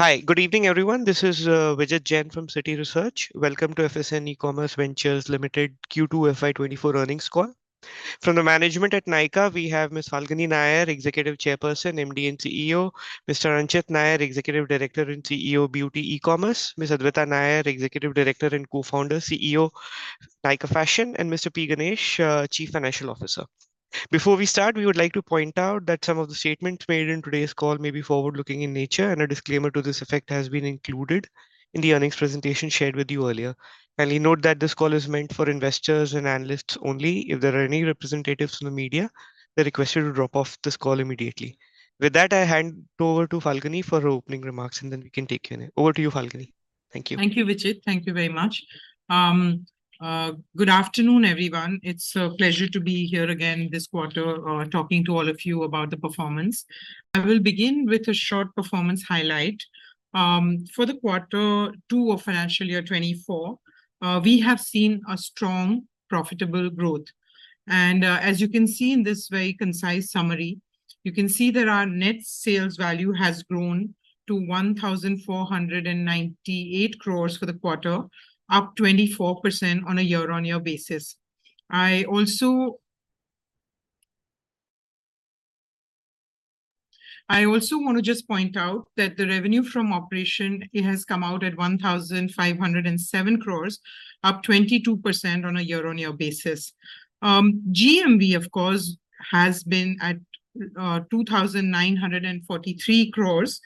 Hi, good evening, everyone. This is Vijit Jain from Citi Research. Welcome to FSN E-Commerce Ventures Limited Q2 FY24 earnings call. From the management at Nykaa, we have Miss Falguni Nayar, Executive Chairperson, MD, and CEO, Mr. Anchit Nayar, Executive Director and CEO, Beauty E-Commerce, Miss Adwaita Nayar, Executive Director and Co-founder, CEO, Nykaa Fashion, and Mr. P. Ganesh, Chief Financial Officer. Before we start, we would like to point out that some of the statements made in today's call may be forward-looking in nature, and a disclaimer to this effect has been included in the earnings presentation shared with you earlier. Kindly note that this call is meant for investors and analysts only. If there are any representatives from the media, they're requested to drop off this call immediately. With that, I hand over to Falguni for opening remarks, and then we can take Q&A. Over to you, Falguni. Thank you. Thank you, Vijit. Thank you very much. Good afternoon, everyone. It's a pleasure to be here again this quarter, talking to all of you about the performance. I will begin with a short performance highlight. For the quarter 2 of financial year 2024, we have seen a strong, profitable growth. As you can see in this very concise summary, you can see that our net sales value has grown to 1,498 crores for the quarter, up 24% on a year-on-year basis. I also... I also want to just point out that the revenue from operation, it has come out at 1,507 crores, up 22% on a year-on-year basis. GMV, of course, has been at 2,943 crores,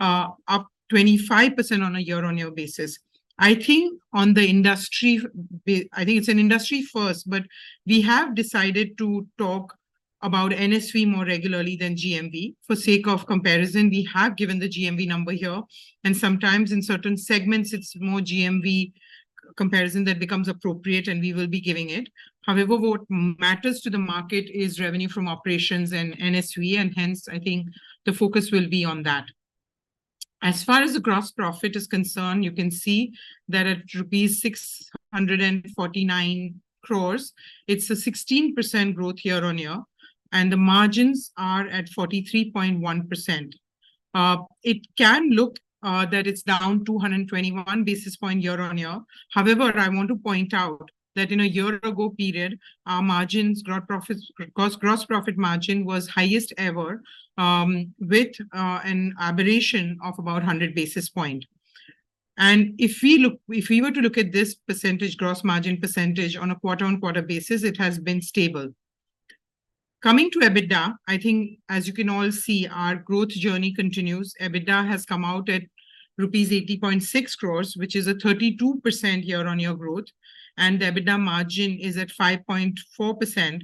up 25% on a year-on-year basis. I think it's an industry first, but we have decided to talk about NSV more regularly than GMV. For sake of comparison, we have given the GMV number here, and sometimes in certain segments it's more GMV comparison that becomes appropriate, and we will be giving it. However, what matters to the market is revenue from operations and NSV, and hence, I think the focus will be on that. As far as the gross profit is concerned, you can see that at rupees 649 crore, it's a 16% growth year-over-year, and the margins are at 43.1%. It can look that it's down 221 basis points year-over-year. However, I want to point out that in a year ago period, our margins, gross profits, gross profit margin was highest ever, with an aberration of about 100 basis points. If we look, if we were to look at this percentage, gross margin percentage on a quarter-on-quarter basis, it has been stable. Coming to EBITDA, I think as you can all see, our growth journey continues. EBITDA has come out at rupees 80.6 crores, which is a 32% year-on-year growth, and the EBITDA margin is at 5.4%,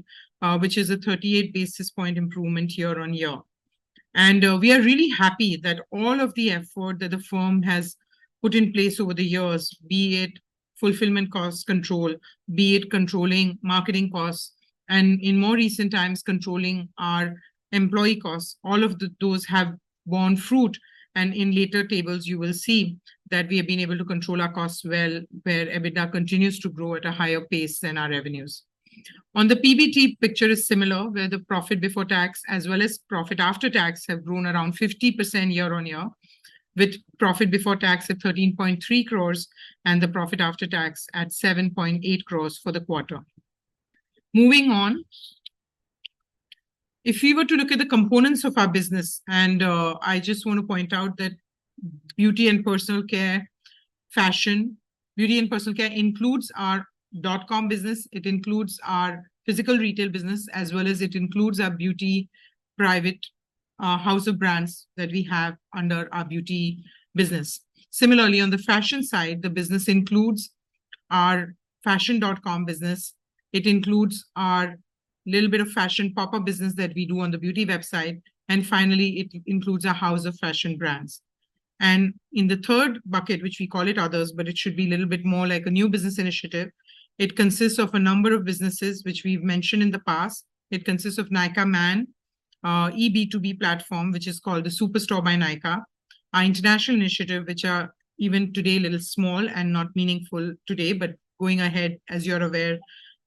which is a 38 basis points improvement year-on-year. We are really happy that all of the effort that the firm has put in place over the years, be it fulfillment cost control, be it controlling marketing costs, and in more recent times, controlling our employee costs, all of those have borne fruit. In later tables, you will see that we have been able to control our costs well, where EBITDA continues to grow at a higher pace than our revenues. On the PBT picture is similar, where the profit before tax as well as profit after tax have grown around 50% year-over-year, with profit before tax at 13.3 crores and the profit after tax at 7.8 crores for the quarter. Moving on, if we were to look at the components of our business, and I just want to point out that beauty and personal care, fashion. Beauty and personal care includes our dotcom business, it includes our physical retail business, as well as it includes our beauty private house of brands that we have under our beauty business. Similarly, on the fashion side, the business includes our fashion.com business, it includes our little bit of fashion pop-up business that we do on the beauty website, and finally, it includes a house of fashion brands. And in the third bucket, which we call it others, but it should be a little bit more like a new business initiative, it consists of a number of businesses, which we've mentioned in the past. It consists of Nykaa Man, eB2B platform, which is called the Superstore by Nykaa. Our international initiative, which are even today, little small and not meaningful today, but going ahead, as you're aware,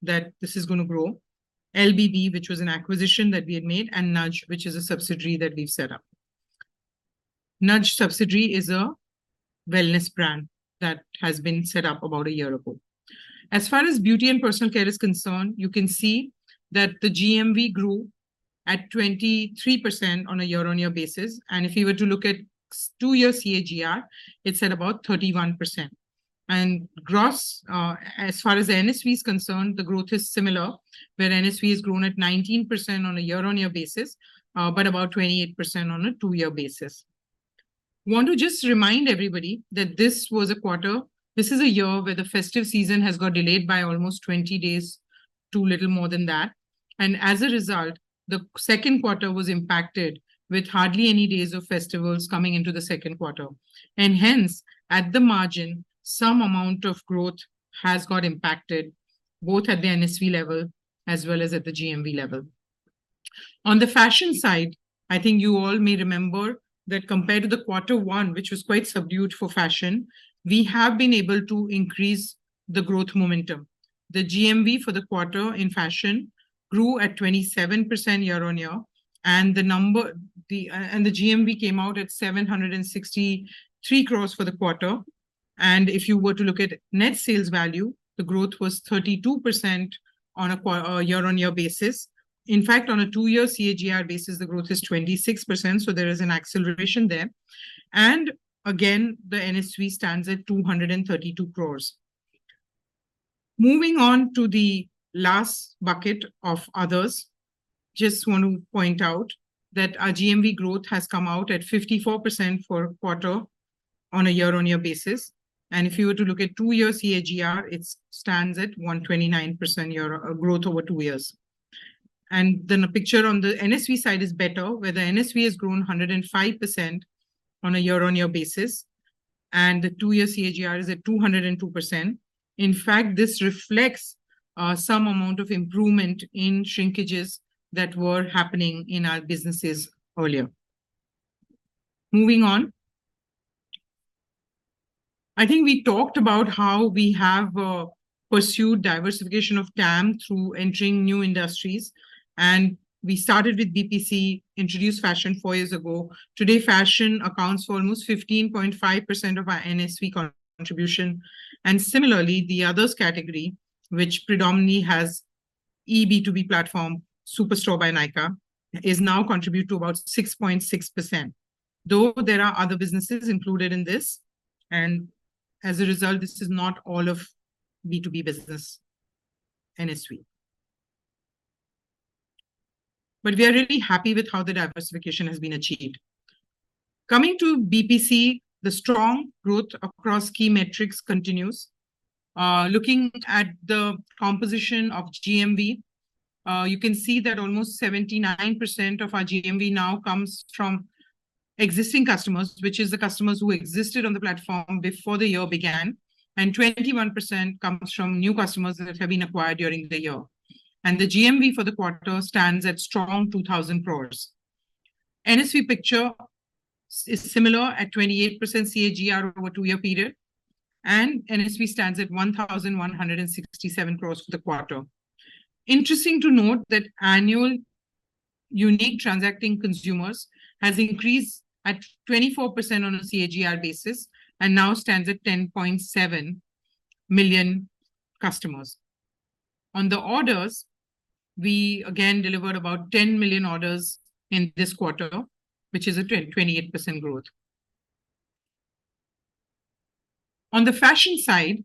that this is going to grow. LBB, which was an acquisition that we had made, and Nudge, which is a subsidiary that we've set up. Nudge subsidiary is a wellness brand that has been set up about a year ago. As far as beauty and personal care is concerned, you can see that the GMV grew at 23% on a year-over-year basis, and if you were to look at the two-year CAGR, it's at about 31%. And gross, as far as the NSV is concerned, the growth is similar, where NSV has grown at 19% on a year-over-year basis, but about 28% on a two-year basis. Want to just remind everybody that this was a quarter... This is a year where the festive season has got delayed by almost 20 days, to little more than that, and as a result, the second quarter was impacted, with hardly any days of festivals coming into the second quarter. And hence, at the margin, some amount of growth has got impacted, both at the NSV level as well as at the GMV level. On the fashion side, I think you all may remember that compared to the quarter one, which was quite subdued for fashion, we have been able to increase the growth momentum.... The GMV for the quarter in fashion grew at 27% year-on-year, and the number, the... And the GMV came out at 763 crore for the quarter. And if you were to look at net sales value, the growth was 32% on a year-on-year basis. In fact, on a two-year CAGR basis, the growth is 26%, so there is an acceleration there. Again, the NSV stands at 232 crore. Moving on to the last bucket of others, just want to point out that our GMV growth has come out at 54% for quarter on a year-on-year basis, and if you were to look at two-year CAGR, it stands at 129% year, growth over two years. Then the picture on the NSV side is better, where the NSV has grown 105% on a year-on-year basis, and the two-year CAGR is at 202%. In fact, this reflects, some amount of improvement in shrinkages that were happening in our businesses earlier. Moving on. I think we talked about how we have pursued diversification of TAM through entering new industries, and we started with BPC, introduced fashion four years ago. Today, fashion accounts for almost 15.5% of our NSV contribution. And similarly, the others category, which predominantly has eB2B platform, Superstore by Nykaa, is now contribute to about 6.6%, though there are other businesses included in this, and as a result, this is not all of B2B business NSV. But we are really happy with how the diversification has been achieved. Coming to BPC, the strong growth across key metrics continues. Looking at the composition of GMV, you can see that almost 79% of our GMV now comes from existing customers, which is the customers who existed on the platform before the year began, and 21% comes from new customers that have been acquired during the year. The GMV for the quarter stands at strong 2,000 crore. NSV picture is similar at 28% CAGR over a two-year period, and NSV stands at 1,167 crore for the quarter. Interesting to note that annual unique transacting consumers has increased at 24% on a CAGR basis and now stands at 10.7 million customers. On the orders, we again delivered about 10 million orders in this quarter, which is a 28% growth. On the fashion side,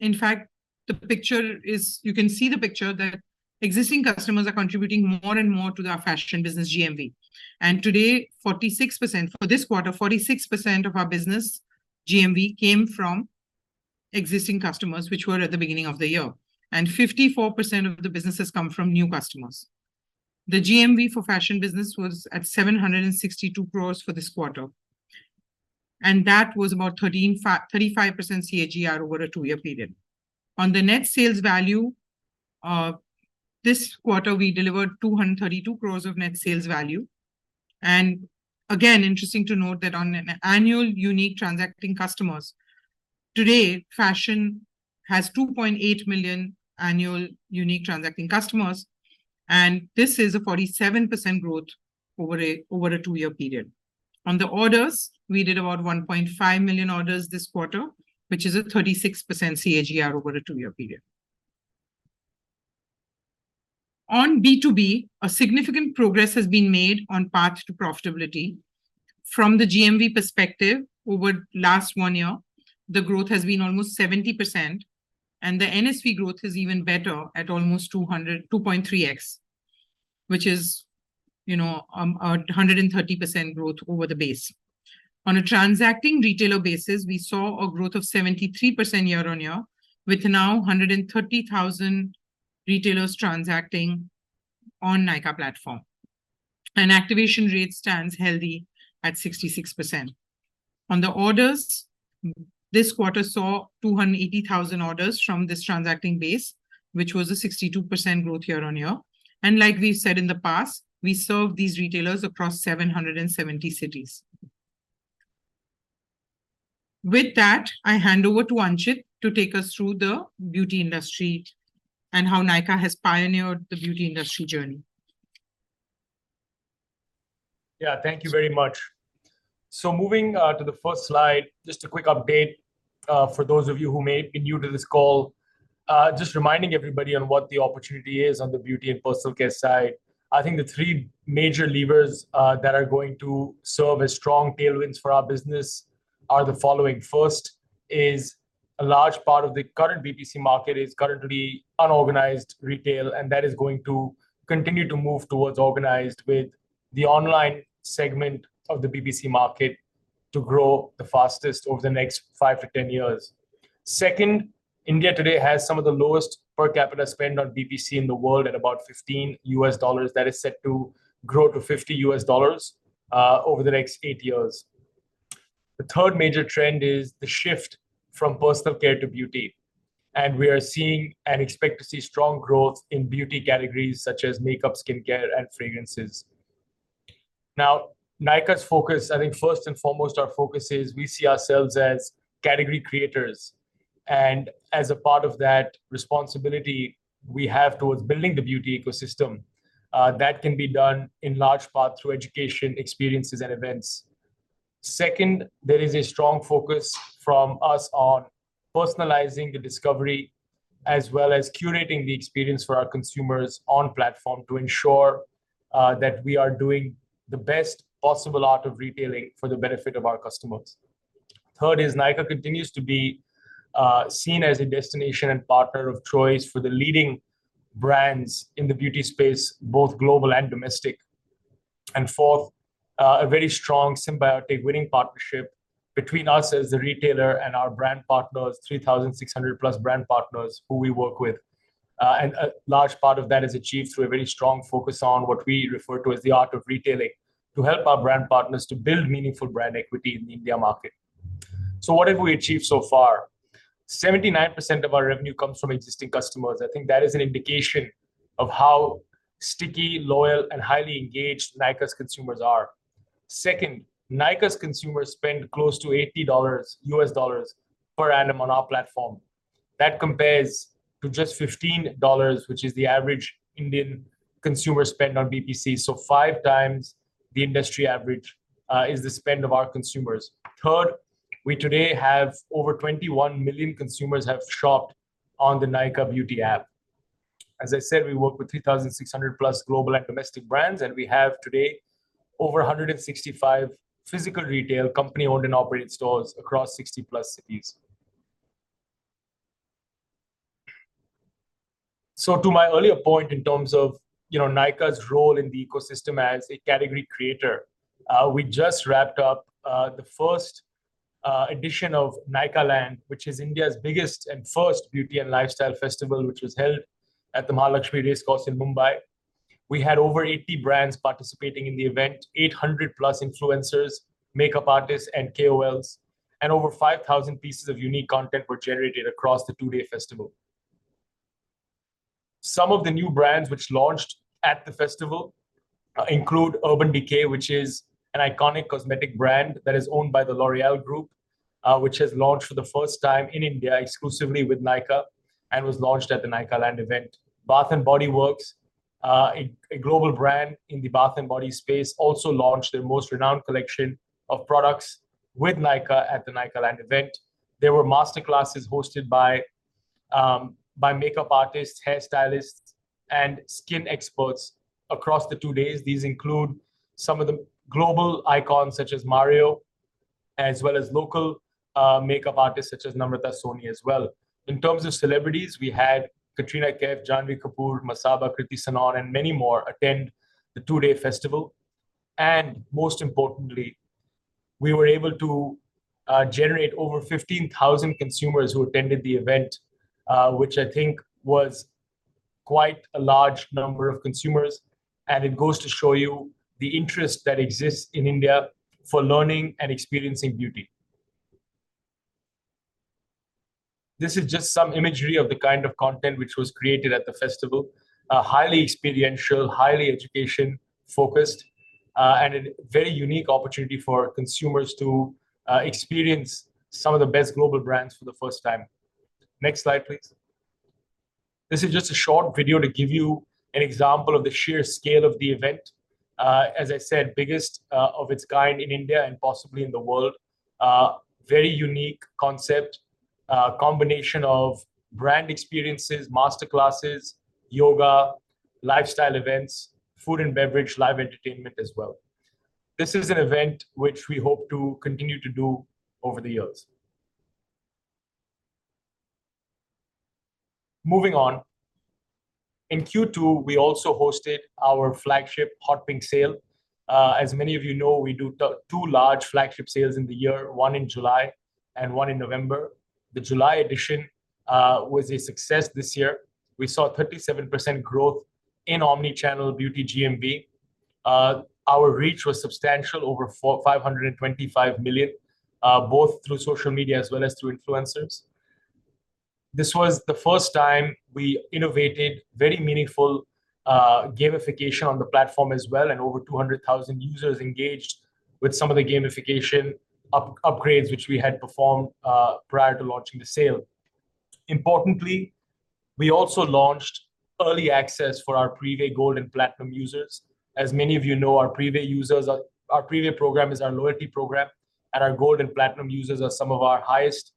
in fact, the picture is. You can see the picture that existing customers are contributing more and more to our fashion business GMV. And today, 46%. For this quarter, 46% of our business GMV came from existing customers, which were at the beginning of the year, and 54% of the businesses come from new customers. The GMV for fashion business was at 762 crore for this quarter, and that was about 35% CAGR over a two-year period. On the net sales value, this quarter, we delivered 232 crore of net sales value. And again, interesting to note that on an annual unique transacting customers, today, fashion has 2.8 million annual unique transacting customers, and this is a 47% growth over a two-year period. On the orders, we did about 1.5 million orders this quarter, which is a 36% CAGR over a two-year period. On B2B, a significant progress has been made on path to profitability. From the GMV perspective, over last one year, the growth has been almost 70%, and the NSV growth is even better at almost 200, 2.3x, which is, you know, a 130% growth over the base. On a transacting retailer basis, we saw a growth of 73% year-on-year, with now 130,000 retailers transacting on Nykaa platform. And activation rate stands healthy at 66%. On the orders, this quarter saw 280,000 orders from this transacting base, which was a 62% growth year-on-year. Like we said in the past, we served these retailers across 770 cities. With that, I hand over to Anchit to take us through the beauty industry and how Nykaa has pioneered the beauty industry journey. Yeah, thank you very much. Moving to the first slide, just a quick update for those of you who may be new to this call. Just reminding everybody on what the opportunity is on the beauty and personal care side. I think the three major levers that are going to serve as strong tailwinds for our business are the following: First is, a large part of the current BPC market is currently unorganized retail, and that is going to continue to move towards organized, with the online segment of the BPC market to grow the fastest over the next five to 10 years. Second, India today has some of the lowest per capita spend on BPC in the world, at about $15. That is set to grow to $50 over the next eight years. The third major trend is the shift from personal care to beauty, and we are seeing and expect to see strong growth in beauty categories such as makeup, skincare, and fragrances. Now, Nykaa's focus, I think first and foremost, our focus is we see ourselves as category creators. And as a part of that responsibility we have towards building the beauty ecosystem, that can be done in large part through education, experiences, and events. Second, there is a strong focus from us on personalizing the discovery, as well as curating the experience for our consumers on platform to ensure, that we are doing the best possible art of retailing for the benefit of our customers. Third is Nykaa continues to be, seen as a destination and partner of choice for the leading brands in the beauty space, both global and domestic. And fourth, a very strong symbiotic winning partnership between us as the retailer and our brand partners, 3,600+ brand partners who we work with. And a large part of that is achieved through a very strong focus on what we refer to as the art of retailing, to help our brand partners to build meaningful brand equity in the India market. So what have we achieved so far? 79% of our revenue comes from existing customers. I think that is an indication of how sticky, loyal, and highly engaged Nykaa's consumers are. Second, Nykaa's consumers spend close to $80, U.S. dollars, per annum on our platform. That compares to just $15, which is the average Indian consumer spend on BPC. So 5x the industry average is the spend of our consumers. Third, we today have over 21 million consumers have shopped on the Nykaa Beauty app. As I said, we work with 3,600+ global and domestic brands, and we have today over 165 physical retail company-owned and operated stores across 60+ cities. So to my earlier point, in terms of, you know, Nykaa's role in the ecosystem as a category creator, we just wrapped up the first edition of Nykaaland, which is India's biggest and first beauty and lifestyle festival, which was held at the Mahalakshmi Race Course in Mumbai. We had over 80 brands participating in the event, 800+ influencers, makeup artists, and KOLs, and over 5,000 pieces of unique content were generated across the two-day festival. Some of the new brands which launched at the festival include Urban Decay, which is an iconic cosmetic brand that is owned by the L'Oréal Group, which has launched for the first time in India exclusively with Nykaa and was launched at the Nykaaland event. Bath & Body Works, a global brand in the bath and body space, also launched their most renowned collection of products with Nykaa at the Nykaaland event. There were master classes hosted by makeup artists, hairstylists, and skin experts across the two days. These include some of the global icons, such as Mario, as well as local makeup artists such as Namrata Soni as well. In terms of celebrities, we had Katrina Kaif, Janhvi Kapoor, Masaba, Kriti Sanon, and many more attend the two-day festival. Most importantly, we were able to generate over 15,000 consumers who attended the event, which I think was quite a large number of consumers, and it goes to show you the interest that exists in India for learning and experiencing beauty. This is just some imagery of the kind of content which was created at the festival. Highly experiential, highly education-focused, and a very unique opportunity for consumers to experience some of the best global brands for the first time. Next slide, please. This is just a short video to give you an example of the sheer scale of the event. As I said, biggest of its kind in India and possibly in the world. Very unique concept, combination of brand experiences, master classes, yoga, lifestyle events, food and beverage, live entertainment as well. This is an event which we hope to continue to do over the years. Moving on, in Q2, we also hosted our flagship Hot Pink Sale. As many of you know, we do two large flagship sales in the year, one in July and one in November. The July edition was a success this year. We saw 37% growth in omnichannel beauty GMV. Our reach was substantial, over 450 million, both through social media as well as through influencers. This was the first time we innovated very meaningful gamification on the platform as well, and over 200,000 users engaged with some of the gamification upgrades which we had performed prior to launching the sale. Importantly, we also launched early access for our Prive Gold and Platinum users. As many of you know, our Prive users, our Prive program is our loyalty program, and our Gold and Platinum users are some of our highest,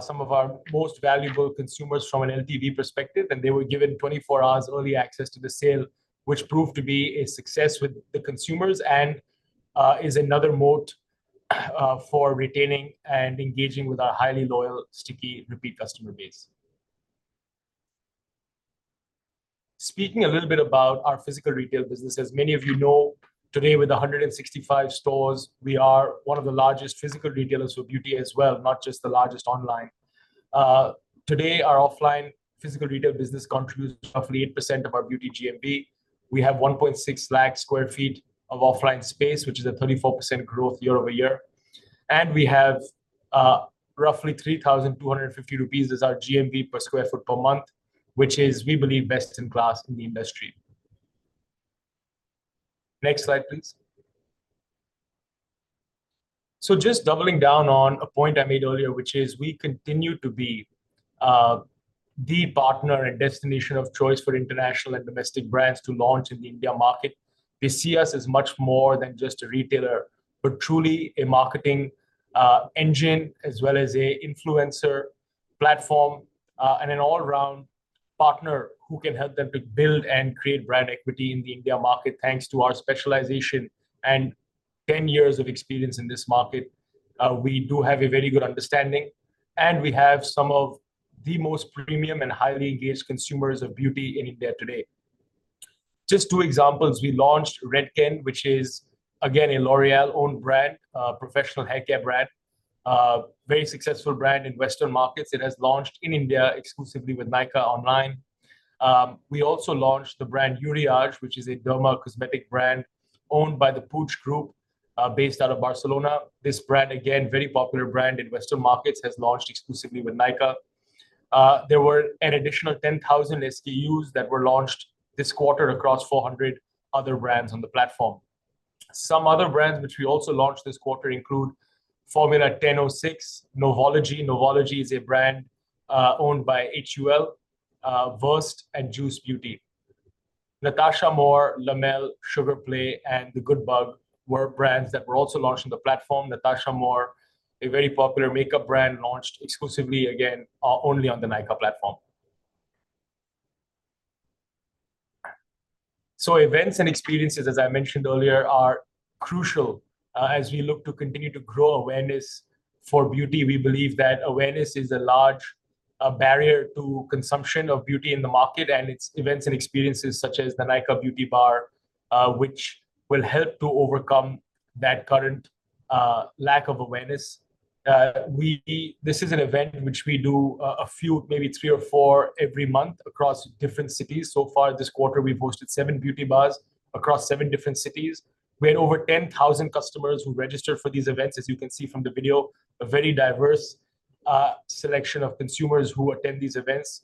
some of our most valuable consumers from an LTV perspective, and they were given 24 hours early access to the sale, which proved to be a success with the consumers and, is another moat, for retaining and engaging with our highly loyal, sticky, repeat customer base. Speaking a little bit about our physical retail business. As many of you know, today, with 165 stores, we are one of the largest physical retailers for beauty as well, not just the largest online. Today, our offline physical retail business contributes roughly 8% of our beauty GMV. We have 1.6 lakh sq ft of offline space, which is a 34% growth year-over-year, and we have, roughly 3,250 rupees is our GMV per sq ft per month, which is, we believe, best in class in the industry. Next slide, please. So just doubling down on a point I made earlier, which is we continue to be, the partner and destination of choice for international and domestic brands to launch in the India market. They see us as much more than just a retailer, but truly a marketing, engine, as well as a influencer platform, and an all-around partner who can help them to build and create brand equity in the India market, thanks to our specialization and 10 years of experience in this market. We do have a very good understanding, and we have some of the most premium and highly engaged consumers of beauty in India today. Just two examples: we launched Redken, which is again a L'Oréal-owned brand, professional haircare brand. Very successful brand in Western markets. It has launched in India exclusively with Nykaa online. We also launched the brand Uriage, which is a derma cosmetic brand owned by the Puig Group, based out of Barcelona. This brand, again very popular brand in Western markets, has launched exclusively with Nykaa. There were an additional 10,000 SKUs that were launched this quarter across 400 other brands on the platform. Some other brands which we also launched this quarter include Formula 10.0.6, Novology, Versed, and Juice Beauty. Novology is a brand owned by HUL. Natasha Moor, Lamel, Sugar Play, and The Good Bug were brands that were also launched on the platform. Natasha Moor, a very popular makeup brand, launched exclusively again, only on the Nykaa platform. So events and experiences, as I mentioned earlier, are crucial, as we look to continue to grow awareness for beauty. We believe that awareness is a large, barrier to consumption of beauty in the market, and it's events and experiences such as the Nykaa Beauty Bar, which will help to overcome that current, lack of awareness. This is an event which we do, a few, maybe three or four every month across different cities. So far this quarter, we've hosted seven beauty bars across seven different cities; we had over 10,000 customers who registered for these events. As you can see from the video, a very diverse selection of consumers who attend these events.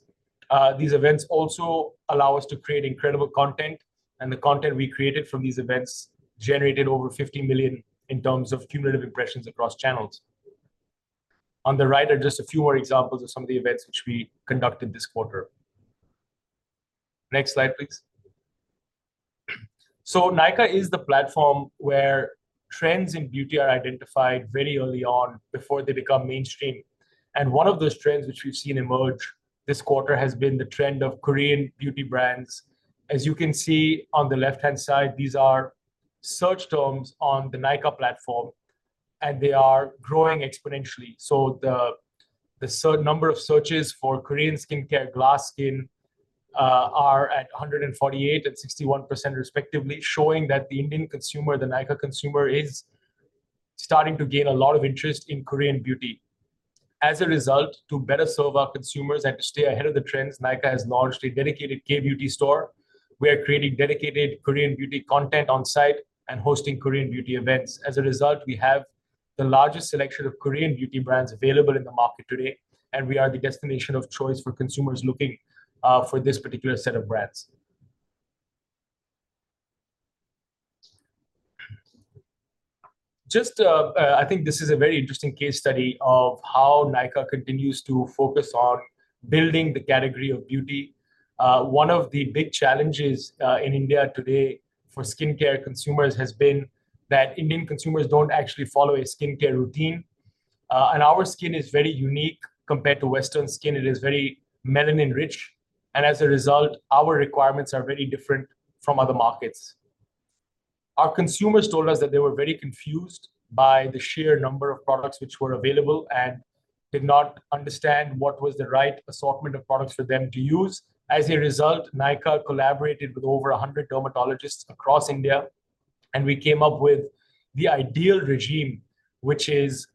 These events also allow us to create incredible content, and the content we created from these events generated over 50 million in terms of cumulative impressions across channels. On the right are just a few more examples of some of the events which we conducted this quarter. Next slide, please. So Nykaa is the platform where trends in beauty are identified very early on before they become mainstream. And one of those trends which we've seen emerge this quarter has been the trend of Korean beauty brands. As you can see on the left-hand side, these are search terms on the Nykaa platform, and they are growing exponentially. So the search number of searches for Korean skincare, glass skin, are at 148% and 61%, respectively, showing that the Indian consumer, the Nykaa consumer, is starting to gain a lot of interest in Korean beauty. As a result, to better serve our consumers and to stay ahead of the trends, Nykaa has launched a dedicated K-Beauty store. We are creating dedicated Korean beauty content on site and hosting Korean beauty events. As a result, we have the largest selection of Korean beauty brands available in the market today, and we are the destination of choice for consumers looking for this particular set of brands. I think this is a very interesting case study of how Nykaa continues to focus on building the category of beauty. One of the big challenges in India today for skincare consumers has been that Indian consumers don't actually follow a skincare routine. Our skin is very unique compared to Western skin. It is very melanin-rich, and as a result, our requirements are very different from other markets. Our consumers told us that they were very confused by the sheer number of products which were available and did not understand what was the right assortment of products for them to use. As a result, Nykaa collaborated with over 100 dermatologists across India, and we came up with the ideal regimen, which is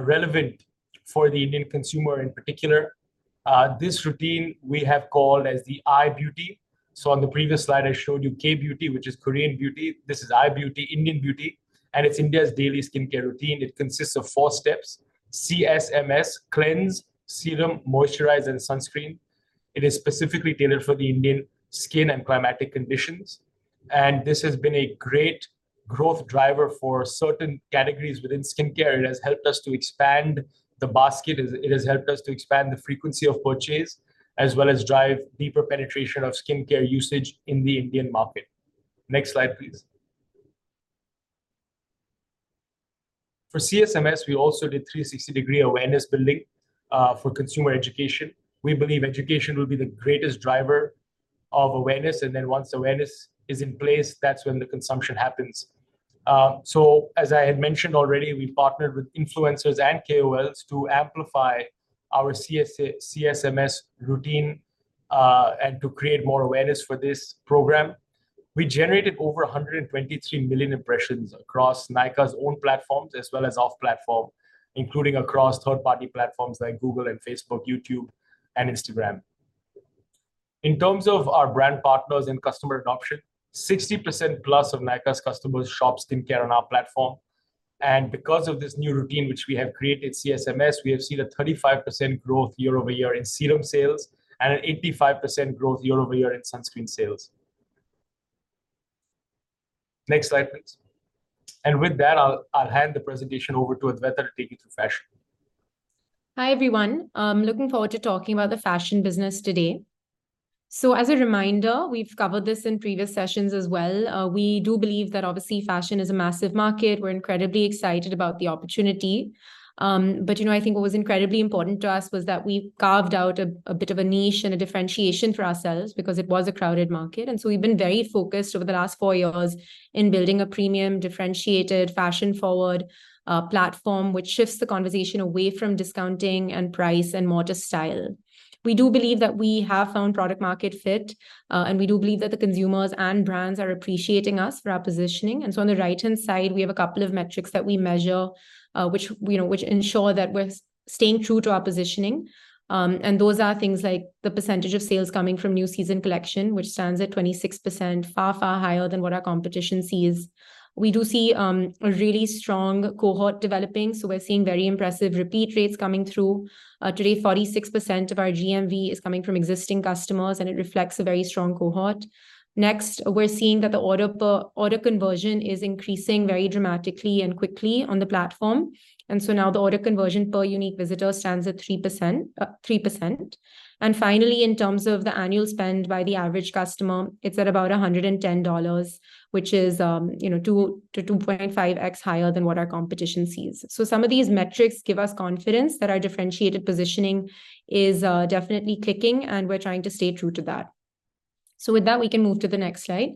relevant for the Indian consumer in particular. This routine we have called as the I Beauty. On the previous slide, I showed you K Beauty, which is Korean Beauty. This is I Beauty, Indian Beauty, and it's India's daily skincare routine. It consists of four steps: CSMS, cleanse, serum, moisturize, and sunscreen. It is specifically tailored for the Indian skin and climatic conditions, and this has been a great growth driver for certain categories within skincare. It has helped us to expand the basket. It has helped us to expand the frequency of purchase, as well as drive deeper penetration of skincare usage in the Indian market. Next slide, please. For CSMS, we also did 360-degree awareness building for consumer education. We believe education will be the greatest driver of awareness, and then once awareness is in place, that's when the consumption happens. So as I had mentioned already, we partnered with influencers and KOLs to amplify our CSMS routine, and to create more awareness for this program. We generated over 123 million impressions across Nykaa's own platforms, as well as off-platform, including across third-party platforms like Google and Facebook, YouTube, and Instagram. In terms of our brand partners and customer adoption, 60%+ of Nykaa's customers shop skincare on our platform... and because of this new routine which we have created, CSMS, we have seen a 35% growth year-over-year in serum sales and an 85% growth year-over-year in sunscreen sales. Next slide, please. And with that, I'll, I'll hand the presentation over to Adwaita to take you through fashion. Hi, everyone. I'm looking forward to talking about the fashion business today. So as a reminder, we've covered this in previous sessions as well. We do believe that obviously fashion is a massive market. We're incredibly excited about the opportunity. But, you know, I think what was incredibly important to us was that we carved out a bit of a niche and a differentiation for ourselves because it was a crowded market, and so we've been very focused over the last four years in building a premium, differentiated, fashion-forward platform, which shifts the conversation away from discounting and price and more to style. We do believe that we have found product market fit, and we do believe that the consumers and brands are appreciating us for our positioning. And so on the right-hand side, we have a couple of metrics that we measure, which, you know, which ensure that we're staying true to our positioning. And those are things like the percentage of sales coming from new season collection, which stands at 26%, far, far higher than what our competition sees. We do see, a really strong cohort developing, so we're seeing very impressive repeat rates coming through. Today, 46% of our GMV is coming from existing customers, and it reflects a very strong cohort. Next, we're seeing that the order conversion is increasing very dramatically and quickly on the platform, and so now the order conversion per unique visitor stands at 3%, 3%. Finally, in terms of the annual spend by the average customer, it's at about $110, which is, you know, 2-2.5x higher than what our competition sees. So some of these metrics give us confidence that our differentiated positioning is definitely clicking, and we're trying to stay true to that. So with that, we can move to the next slide.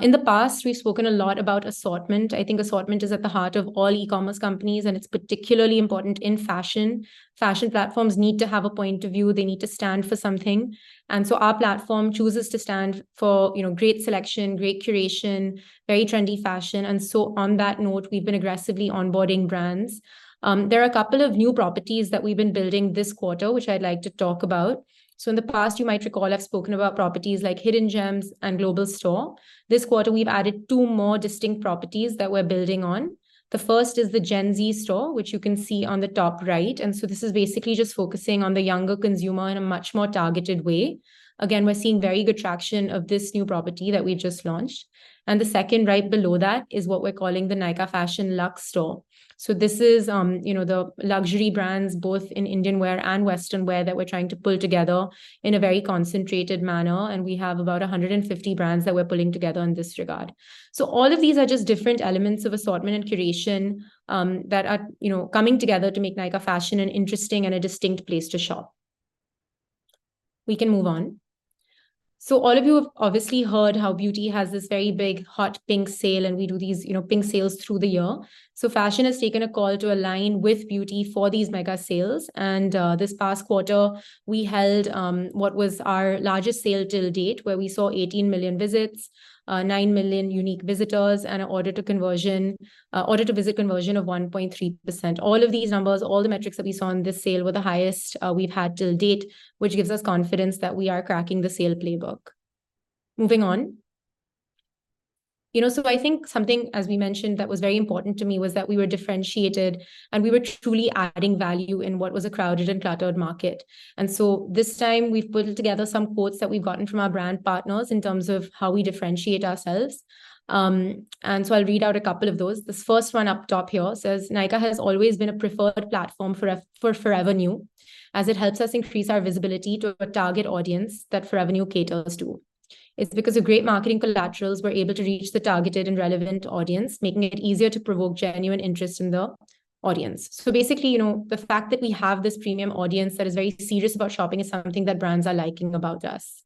In the past, we've spoken a lot about assortment. I think assortment is at the heart of all e-commerce companies, and it's particularly important in fashion. Fashion platforms need to have a point of view. They need to stand for something, and so our platform chooses to stand for, you know, great selection, great curation, very trendy fashion. And so on that note, we've been aggressively onboarding brands. There are a couple of new properties that we've been building this quarter, which I'd like to talk about. So in the past, you might recall, I've spoken about properties like Hidden Gems and Global Store. This quarter, we've added two more distinct properties that we're building on. The first is the Gen Z Store, which you can see on the top right, and so this is basically just focusing on the younger consumer in a much more targeted way. Again, we're seeing very good traction of this new property that we just launched. And the second, right below that, is what we're calling the Nykaa Fashion Luxe Store. So this is, you know, the luxury brands, both in Indian wear and Western wear, that we're trying to pull together in a very concentrated manner, and we have about 150 brands that we're pulling together in this regard. So all of these are just different elements of assortment and curation, that are, you know, coming together to make Nykaa Fashion an interesting and a distinct place to shop. We can move on. So all of you have obviously heard how Beauty has this very big, Hot Pink Sale, and we do these, you know, Pink Sales through the year. So Fashion has taken a call to align with Beauty for these mega sales, and, this past quarter, we held, what was our largest sale to date, where we saw 18 million visits, nine million unique visitors, and an order to conversion, order-to-visit conversion of 1.3%. All of these numbers, all the metrics that we saw in this sale, were the highest, we've had to date, which gives us confidence that we are cracking the sale playbook. Moving on. You know, so I think something, as we mentioned, that was very important to me was that we were differentiated, and we were truly adding value in what was a crowded and cluttered market. And so this time we've pulled together some quotes that we've gotten from our brand partners in terms of how we differentiate ourselves. And so I'll read out a couple of those. This first one up top here says: "Nykaa has always been a preferred platform for Forever New, as it helps us increase our visibility to a target audience that Forever New caters to. It's because of great marketing collaterals, we're able to reach the targeted and relevant audience, making it easier to provoke genuine interest in the audience." So basically, you know, the fact that we have this premium audience that is very serious about shopping is something that brands are liking about us.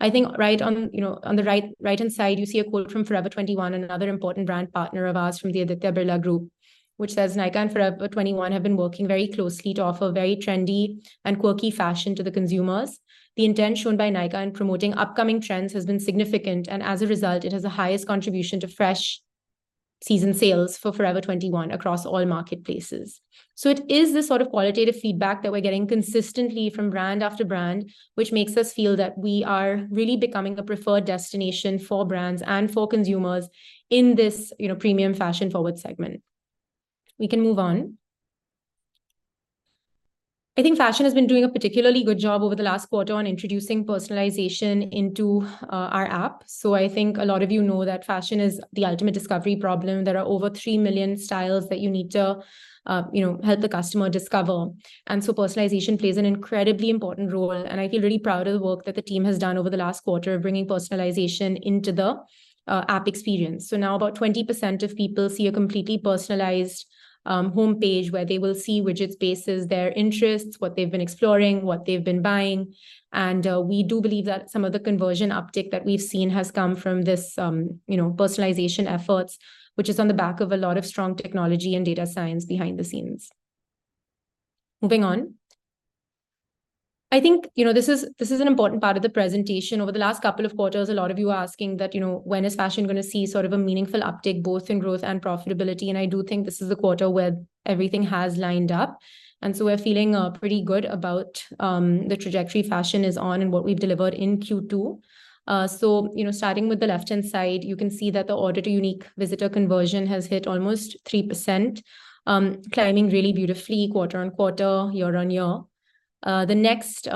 I think right on, you know, on the right, right-hand side, you see a quote from Forever 21, another important brand partner of ours from the Aditya Birla Group, which says, "Nykaa and Forever 21 have been working very closely to offer very trendy and quirky fashion to the consumers. The intent shown by Nykaa in promoting upcoming trends has been significant, and as a result, it has the highest contribution to fresh season sales for Forever 21 across all marketplaces." So it is the sort of qualitative feedback that we're getting consistently from brand after brand, which makes us feel that we are really becoming a preferred destination for brands and for consumers in this, you know, premium, fashion-forward segment. We can move on. I think Fashion has been doing a particularly good job over the last quarter on introducing personalization into our app. So I think a lot of you know that fashion is the ultimate discovery problem. There are over 3 million styles that you need to, you know, help the customer discover, and so personalization plays an incredibly important role. I feel really proud of the work that the team has done over the last quarter, bringing personalization into the app experience. So now about 20% of people see a completely personalized homepage, where they will see widgets based on their interests, what they've been exploring, what they've been buying. And we do believe that some of the conversion uptick that we've seen has come from this you know personalization efforts, which is on the back of a lot of strong technology and data science behind the scenes. Moving on. I think you know this is this is an important part of the presentation. Over the last couple of quarters, a lot of you are asking that, you know, "When is Fashion gonna see sort of a meaningful uptick, both in growth and profitability?" And I do think this is the quarter where everything has lined up, and so we're feeling pretty good about the trajectory Fashion is on and what we've delivered in Q2. So, you know, starting with the left-hand side, you can see that the order-to-unique visitor conversion has hit almost 3%, climbing really beautifully quarter-on-quarter, year-on-year. The next,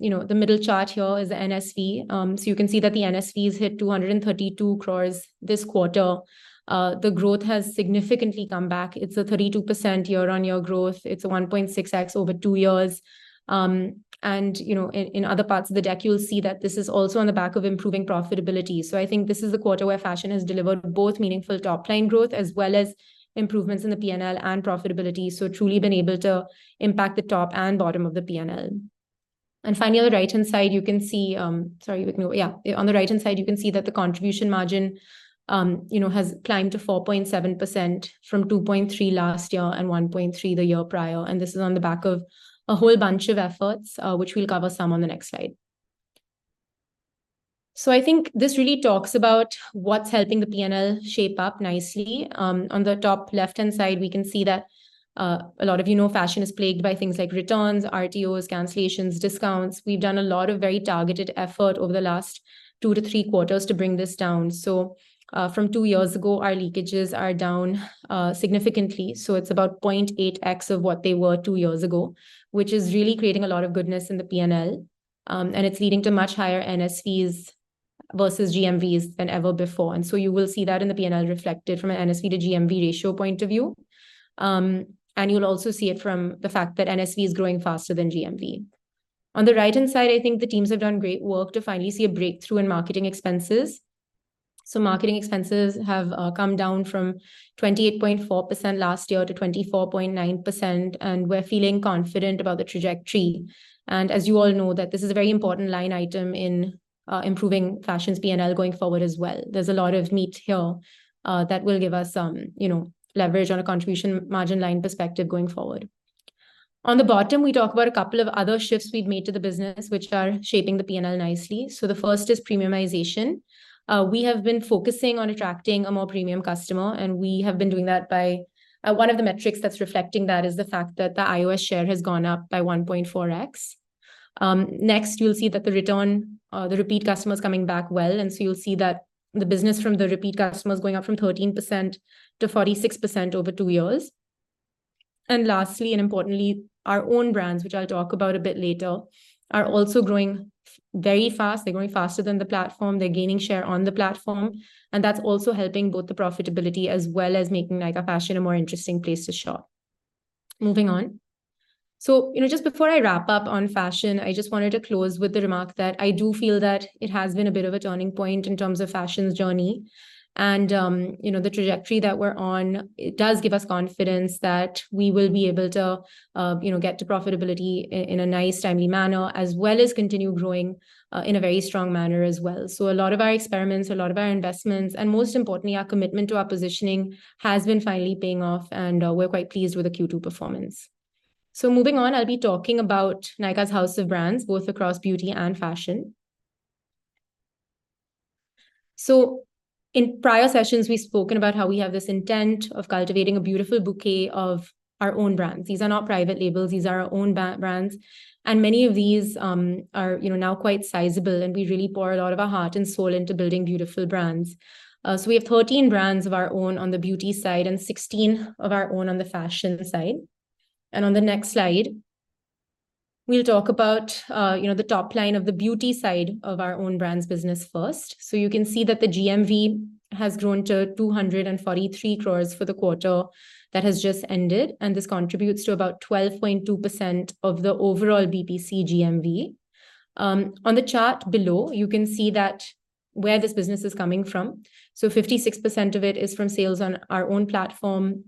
you know, the middle chart here is the NSV. So you can see that the NSVs hit 232 crore this quarter. The growth has significantly come back. It's a 32% year-on-year growth. It's a 1.6x over two years. And, you know, in other parts of the deck, you'll see that this is also on the back of improving profitability. So I think this is the quarter where fashion has delivered both meaningful top-line growth as well as improvements in the PNL and profitability, so truly been able to impact the top and bottom of the PNL. And finally, on the right-hand side, you can see that the contribution margin, you know, has climbed to 4.7% from 2.3% last year and 1.3% the year prior, and this is on the back of a whole bunch of efforts, which we'll cover some on the next slide. So I think this really talks about what's helping the PNL shape up nicely. On the top left-hand side, we can see that, a lot of you know, fashion is plagued by things like returns, RTOs, cancellations, discounts. We've done a lot of very targeted effort over the last 2-3 quarters to bring this down. So, from two years ago, our leakages are down significantly, so it's about 0.8x of what they were two years ago, which is really creating a lot of goodness in the PNL, and it's leading to much higher NSVs versus GMVs than ever before, and so you will see that in the PNL reflected from an NSV to GMV ratio point of view. And you'll also see it from the fact that NSV is growing faster than GMV. On the right-hand side, I think the teams have done great work to finally see a breakthrough in marketing expenses. So marketing expenses have come down from 28.4% last year to 24.9%, and we're feeling confident about the trajectory. As you all know, that this is a very important line item in improving fashion's PNL going forward as well. There's a lot of meat here that will give us, you know, leverage on a contribution margin line perspective going forward. On the bottom, we talk about a couple of other shifts we've made to the business, which are shaping the PNL nicely. So the first is premiumization. We have been focusing on attracting a more premium customer, and we have been doing that by... One of the metrics that's reflecting that is the fact that the iOS share has gone up by 1.4x. Next, you'll see that the return, the repeat customers coming back well, and so you'll see that the business from the repeat customers going up from 13% to 46% over two years. And lastly, and importantly, our own brands, which I'll talk about a bit later, are also growing very fast. They're growing faster than the platform. They're gaining share on the platform, and that's also helping both the profitability as well as making Nykaa Fashion a more interesting place to shop. Moving on. So, you know, just before I wrap up on fashion, I just wanted to close with the remark that I do feel that it has been a bit of a turning point in terms of fashion's journey. You know, the trajectory that we're on, it does give us confidence that we will be able to, you know, get to profitability in a nice, timely manner, as well as continue growing in a very strong manner as well. So a lot of our experiments, a lot of our investments, and most importantly, our commitment to our positioning has been finally paying off, and we're quite pleased with the Q2 performance. So moving on, I'll be talking about Nykaa's House of Brands, both across beauty and fashion. So in prior sessions, we've spoken about how we have this intent of cultivating a beautiful bouquet of our own brands. These are not private labels. These are our own brands, and many of these, you know, are now quite sizable, and we really pour a lot of our heart and soul into building beautiful brands. So we have 13 brands of our own on the beauty side and 16 of our own on the fashion side. And on the next slide, we'll talk about, you know, the top line of the beauty side of our own brands business first. So you can see that the GMV has grown to 243 crore for the quarter that has just ended, and this contributes to about 12.2% of the overall BPC GMV. On the chart below, you can see that where this business is coming from. So 56% of it is from sales on our own platform,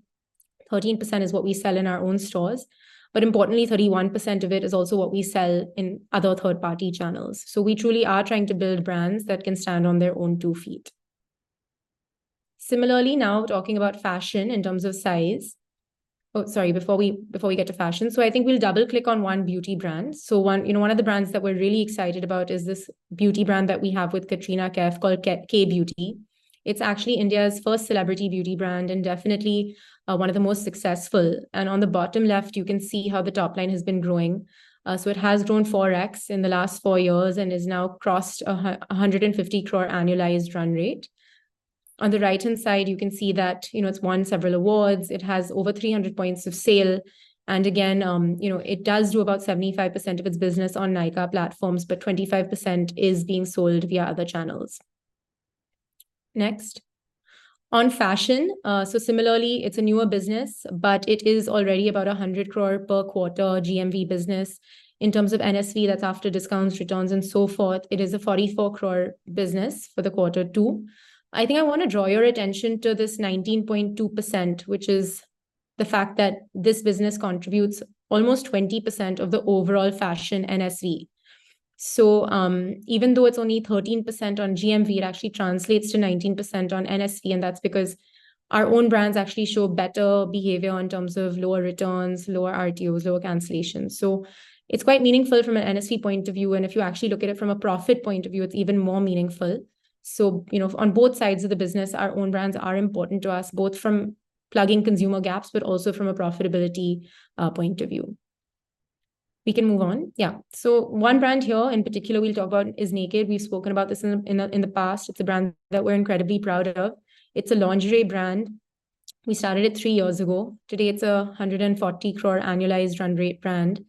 13% is what we sell in our own stores, but importantly, 31% of it is also what we sell in other third-party channels. So we truly are trying to build brands that can stand on their own two feet. Similarly, now, talking about fashion in terms of size. Oh, sorry, before we get to fashion, so I think we'll double-click on one beauty brand. So one, you know, one of the brands that we're really excited about is this beauty brand that we have with Katrina Kaif called Kay Beauty. It's actually India's first celebrity beauty brand and definitely one of the most successful. And on the bottom left, you can see how the top line has been growing. So it has grown 4x in the last four years and has now crossed 150 crore annualized run rate. On the right-hand side, you can see that, you know, it's won several awards. It has over 300 points of sale, and again, you know, it does do about 75% of its business on Nykaa platforms, but 25% is being sold via other channels. Next. On fashion, so similarly, it's a newer business, but it is already about 100 crore per quarter GMV business. In terms of NSV, that's after discounts, returns, and so forth, it is a 44 crore business for the quarter two. I think I want to draw your attention to this 19.2%, which is the fact that this business contributes almost 20% of the overall fashion NSV. So, even though it's only 13% on GMV, it actually translates to 19% on NSV, and that's because our own brands actually show better behavior in terms of lower returns, lower RTOs, lower cancellations. So it's quite meaningful from an NSV point of view, and if you actually look at it from a profit point of view, it's even more meaningful. So, you know, on both sides of the business, our own brands are important to us, both from plugging consumer gaps, but also from a profitability point of view. We can move on. Yeah, so one brand here in particular we'll talk about is Nykd. We've spoken about this in the past. It's a brand that we're incredibly proud of. It's a lingerie brand. We started it three years ago. Today, it's an 140 crore annualized run rate brand.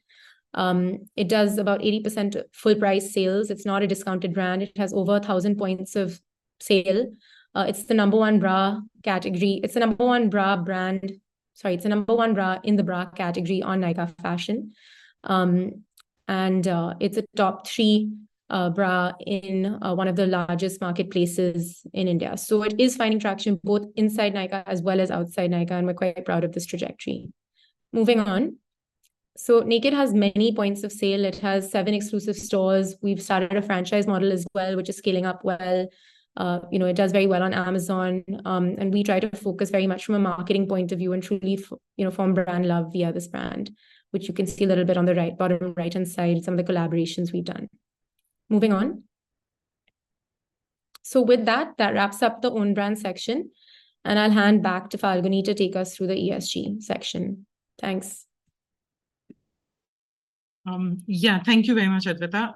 It does about 80% full price sales. It's not a discounted brand. It has over 1,000 points of sale. It's the number one bra category. It's the number one bra brand. Sorry, it's the number one bra in the bra category on Nykaa Fashion. And it's a top three bra in one of the largest marketplaces in India. So it is finding traction both inside Nykaa as well as outside Nykaa, and we're quite proud of this trajectory. Moving on. So Nykd has many points of sale. It has seven exclusive stores. We've started a franchise model as well, which is scaling up well. You know, it does very well on Amazon. And we try to focus very much from a marketing point of view and truly, you know, form brand love via this brand, which you can see a little bit on the right bottom, right-hand side, some of the collaborations we've done. Moving on. So with that, that wraps up the own brand section, and I'll hand back to Falguni to take us through the ESG section. Thanks. Yeah, thank you very much, Adwaita.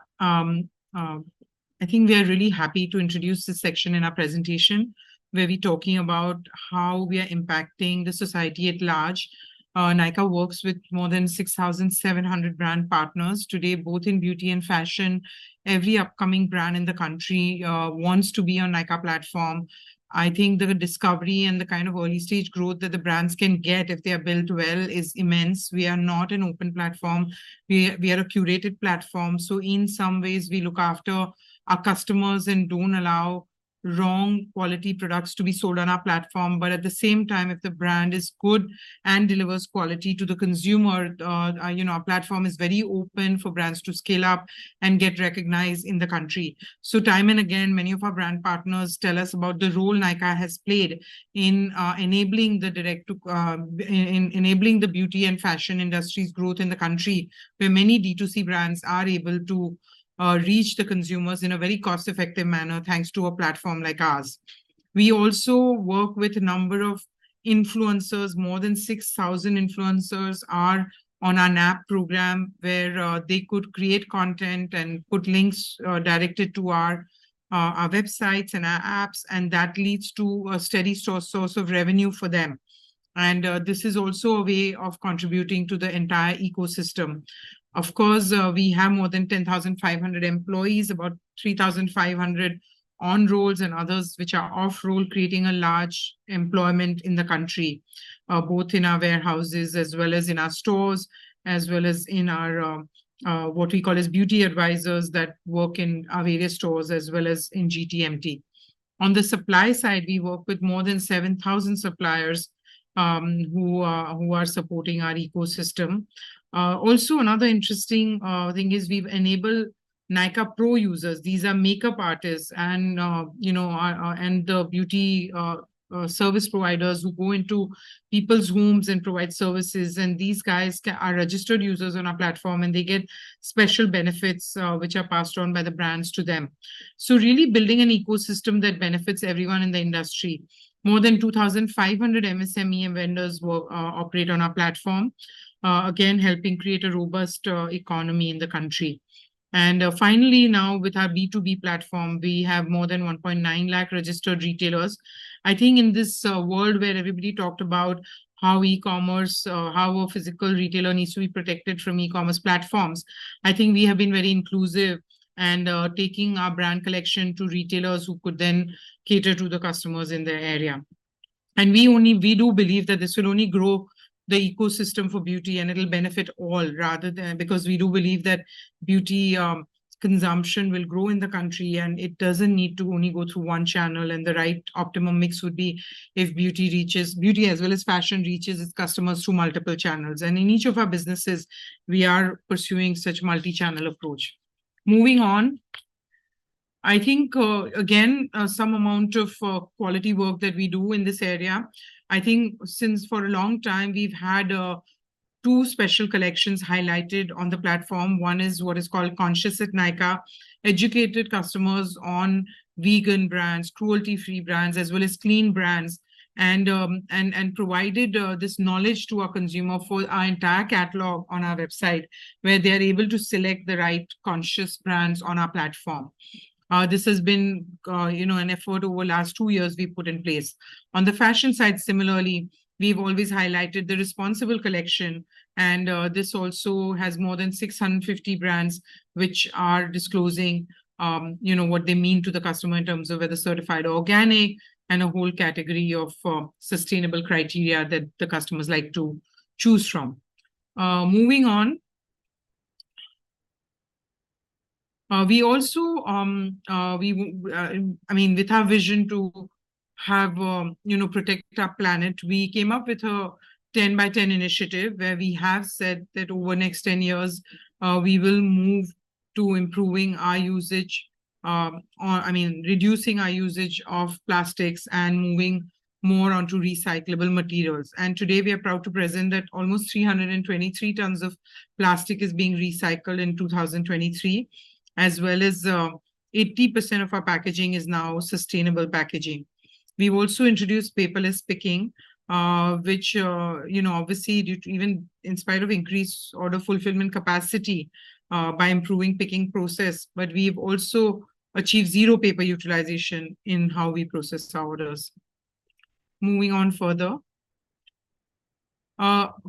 I think we are really happy to introduce this section in our presentation, where we're talking about how we are impacting the society at large. Nykaa works with more than 6,700 brand partners today, both in beauty and fashion. Every upcoming brand in the country wants to be on Nykaa platform. I think the discovery and the kind of early-stage growth that the brands can get if they are built well is immense. We are not an open platform; we are a curated platform. So in some ways, we look after our customers and don't allow wrong quality products to be sold on our platform. But at the same time, if the brand is good and delivers quality to the consumer, you know, our platform is very open for brands to scale up and get recognized in the country. So time and again, many of our brand partners tell us about the role Nykaa has played in enabling the beauty and fashion industry's growth in the country, where many D2C brands are able to reach the consumers in a very cost-effective manner, thanks to a platform like ours. We also work with a number of influencers. More than 6,000 influencers are on our NAP program, where they could create content and put links directed to our websites and our apps, and that leads to a steady source of revenue for them. This is also a way of contributing to the entire ecosystem. Of course, we have more than 10,500 employees, about 3,500 on rolls, and others which are off roll, creating a large employment in the country, both in our warehouses as well as in our stores, as well as in our, what we call as beauty advisors that work in our various stores as well as in GTMT. On the supply side, we work with more than 7,000 suppliers, who are supporting our ecosystem. Also another interesting thing is we've enabled Nykaa Pro users. These are makeup artists and, you know, beauty service providers who go into people's homes and provide services, and these guys are registered users on our platform, and they get special benefits, which are passed on by the brands to them. So really building an ecosystem that benefits everyone in the industry. More than 2,500 MSME vendors operate on our platform, again, helping create a robust economy in the country. Finally, now, with our B2B platform, we have more than 1.9 lakh registered retailers. I think in this world, where everybody talked about how e-commerce, how a physical retailer needs to be protected from e-commerce platforms, I think we have been very inclusive and, taking our brand collection to retailers who could then cater to the customers in their area. We do believe that this will only grow the ecosystem for beauty, and it'll benefit all, rather than... Because we do believe that beauty, consumption will grow in the country, and it doesn't need to only go through one channel. And the right optimum mix would be if beauty reaches, beauty as well as fashion, reaches its customers through multiple channels. And in each of our businesses, we are pursuing such multi-channel approach. Moving on. I think, again, some amount of quality work that we do in this area. I think since for a long time, we've had two special collections highlighted on the platform. One is what is called Conscious at Nykaa, educated customers on vegan brands, cruelty-free brands, as well as clean brands, and, and provided this knowledge to our consumer for our entire catalog on our website, where they are able to select the right conscious brands on our platform. This has been, you know, an effort over the last two years we've put in place. On the fashion side, similarly, we've always highlighted the responsible collection, and, this also has more than 650 brands, which are disclosing, you know, what they mean to the customer in terms of whether certified organic and a whole category of, sustainable criteria that the customers like to choose from. Moving on. We also, I mean, with our vision to have, you know, protect our planet, we came up with a 10-by-10 initiative where we have said that over the next 10 years, we will move to improving our usage, or, I mean, reducing our usage of plastics and moving more onto recyclable materials. Today, we are proud to present that almost 323 tons of plastic is being recycled in 2023, as well as, 80% of our packaging is now sustainable packaging. We've also introduced paperless picking, which, you know, obviously due to even in spite of increased order fulfillment capacity, by improving picking process, but we've also achieved zero paper utilization in how we process our orders. Moving on further...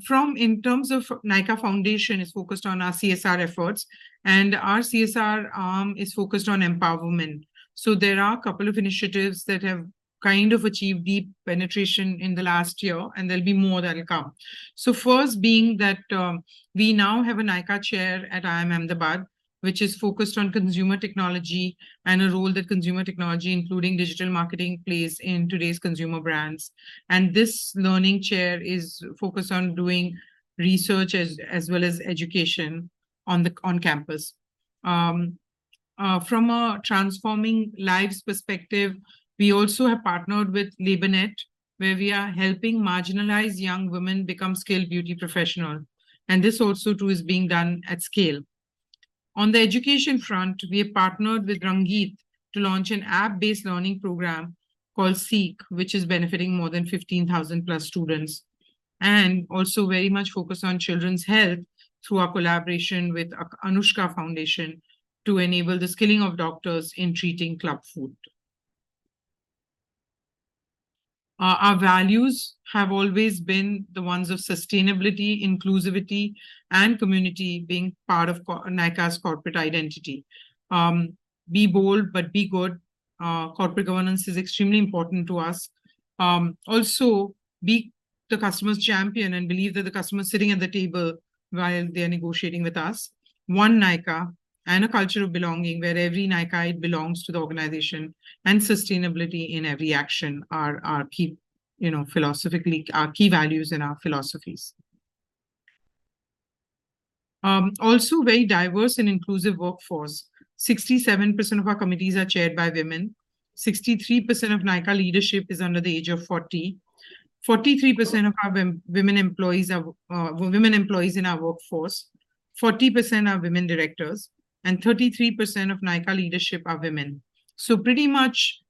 from in terms of Nykaa Foundation is focused on our CSR efforts, and our CSR, is focused on empowerment. So there are a couple of initiatives that have kind of achieved deep penetration in the last year, and there'll be more that will come. So first being that, we now have a Nykaa Chair at IIM Ahmedabad, which is focused on consumer technology and the role that consumer technology, including digital marketing, plays in today's consumer brands. And this learning chair is focused on doing research as well as education on campus. From a transforming lives perspective, we also have partnered with LabourNet, where we are helping marginalized young women become skilled beauty professional, and this also, too, is being done at scale. On the education front, we have partnered with Rangeet to launch an app-based learning program called SEEK, which is benefiting more than 15,000+ students, and also very much focused on children's health through our collaboration with Anushka Foundation to enable the skilling of doctors in treating clubfoot. Our values have always been the ones of sustainability, inclusivity and community being part of Nykaa's corporate identity. Be bold, but be good. Corporate governance is extremely important to us. Also, be the customer's champion and believe that the customer is sitting at the table while they're negotiating with us. One Nykaa and a culture of belonging, where every Nykaa belongs to the organization, and sustainability in every action are our key, you know, philosophically, our key values in our philosophies. Also very diverse and inclusive workforce. 67% of our committees are chaired by women, 63% of Nykaa leadership is under the age of 40. 43% of our women employees in our workforce, 40% are women directors, and 33% of Nykaa leadership are women. So pretty much,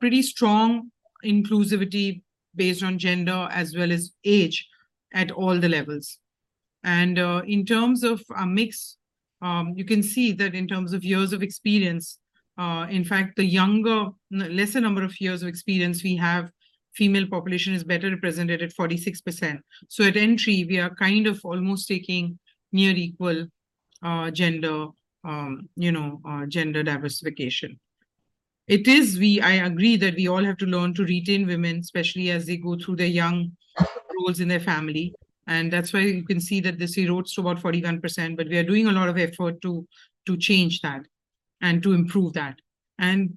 pretty strong inclusivity based on gender as well as age at all the levels. And, in terms of our mix, you can see that in terms of years of experience, in fact, the younger, lesser number of years of experience we have, female population is better represented at 46%. So at entry, we are kind of almost taking near equal, gender, you know, gender diversification. I agree that we all have to learn to retain women, especially as they go through their young roles in their family. And that's why you can see that this erodes to about 41%. But we are doing a lot of effort to change that and to improve that.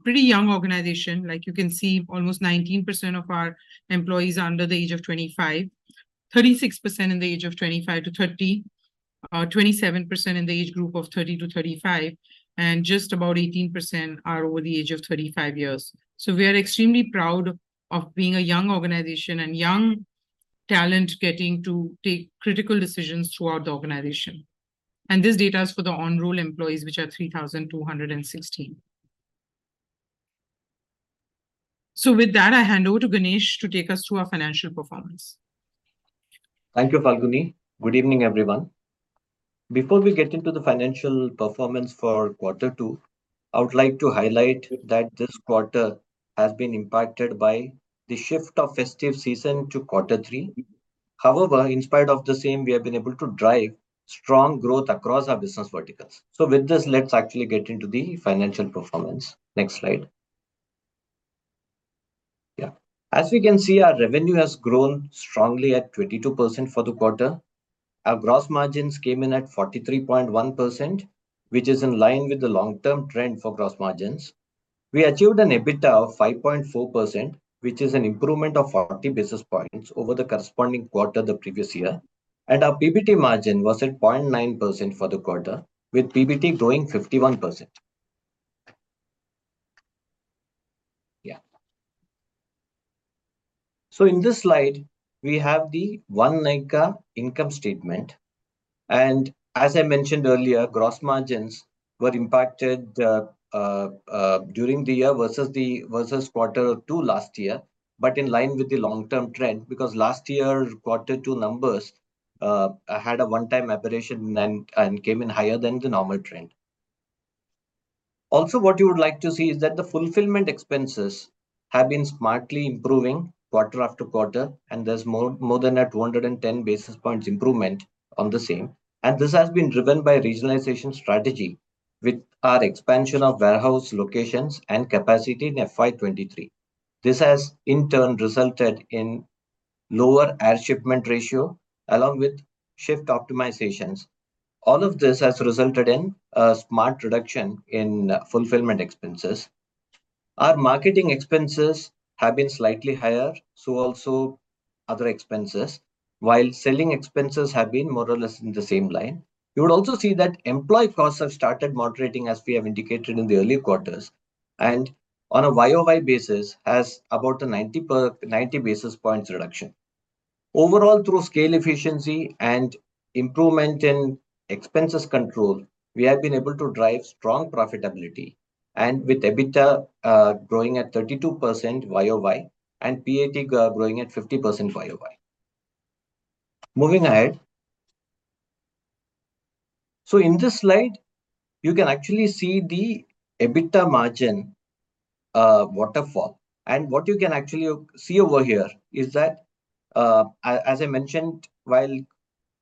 Pretty young organization, like you can see, almost 19% of our employees are under the age of 25, 36% in the age of 25 to 30, 27% in the age group of 30 to 35, and just about 18% are over the age of 35 years. We are extremely proud of being a young organization and young talent, getting to take critical decisions throughout the organization. This data is for the on-roll employees, which are 3,216. With that, I hand over to Ganesh to take us through our financial performance. Thank you, Falguni. Good evening, everyone. Before we get into the financial performance for quarter two, I would like to highlight that this quarter has been impacted by the shift of festive season to quarter three. However, in spite of the same, we have been able to drive strong growth across our business verticals. So with this, let's actually get into the financial performance. Next slide. Yeah. As we can see, our revenue has grown strongly at 22% for the quarter. Our gross margins came in at 43.1%, which is in line with the long-term trend for gross margins. We achieved an EBITDA of 5.4%, which is an improvement of 40 basis points over the corresponding quarter the previous year, and our PBT margin was at 0.9% for the quarter, with PBT growing 51%. Yeah. So in this slide we have the One Nykaa income statement, and as I mentioned earlier, gross margins were impacted during the year versus quarter two last year, but in line with the long-term trend, because last year, quarter two numbers had a one-time aberration and came in higher than the normal trend. Also, what you would like to see is that the fulfillment expenses have been smartly improving quarter after quarter, and there's more than a 210 basis points improvement on the same. And this has been driven by regionalization strategy with our expansion of warehouse locations and capacity in FY 2023. This has in turn resulted in lower air shipment ratio along with shift optimizations. All of this has resulted in a smart reduction in fulfillment expenses. Our marketing expenses have been slightly higher, so also other expenses, while selling expenses have been more or less in the same line. You would also see that employee costs have started moderating, as we have indicated in the earlier quarters, and on a YOY basis, has about a 90 basis points reduction. Overall, through scale efficiency and improvement in expenses control, we have been able to drive strong profitability, and with EBITDA growing at 32% YOY, and PAT growing at 50% YOY. Moving ahead... So in this slide, you can actually see the EBITDA margin waterfall. And what you can actually see over here is that, as I mentioned, while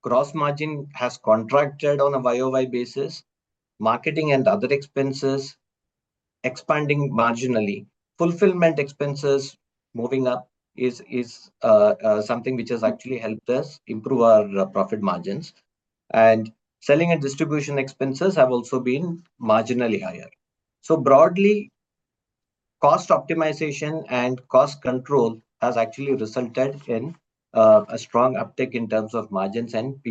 gross margin has contracted on a YOY basis, marketing and other expenses expanding marginally. Fulfillment expenses moving up is something which has actually helped us improve our profit margins. And selling and distribution expenses have also been marginally higher. So broadly, cost optimization and cost control has actually resulted in a strong uptick in terms of margins and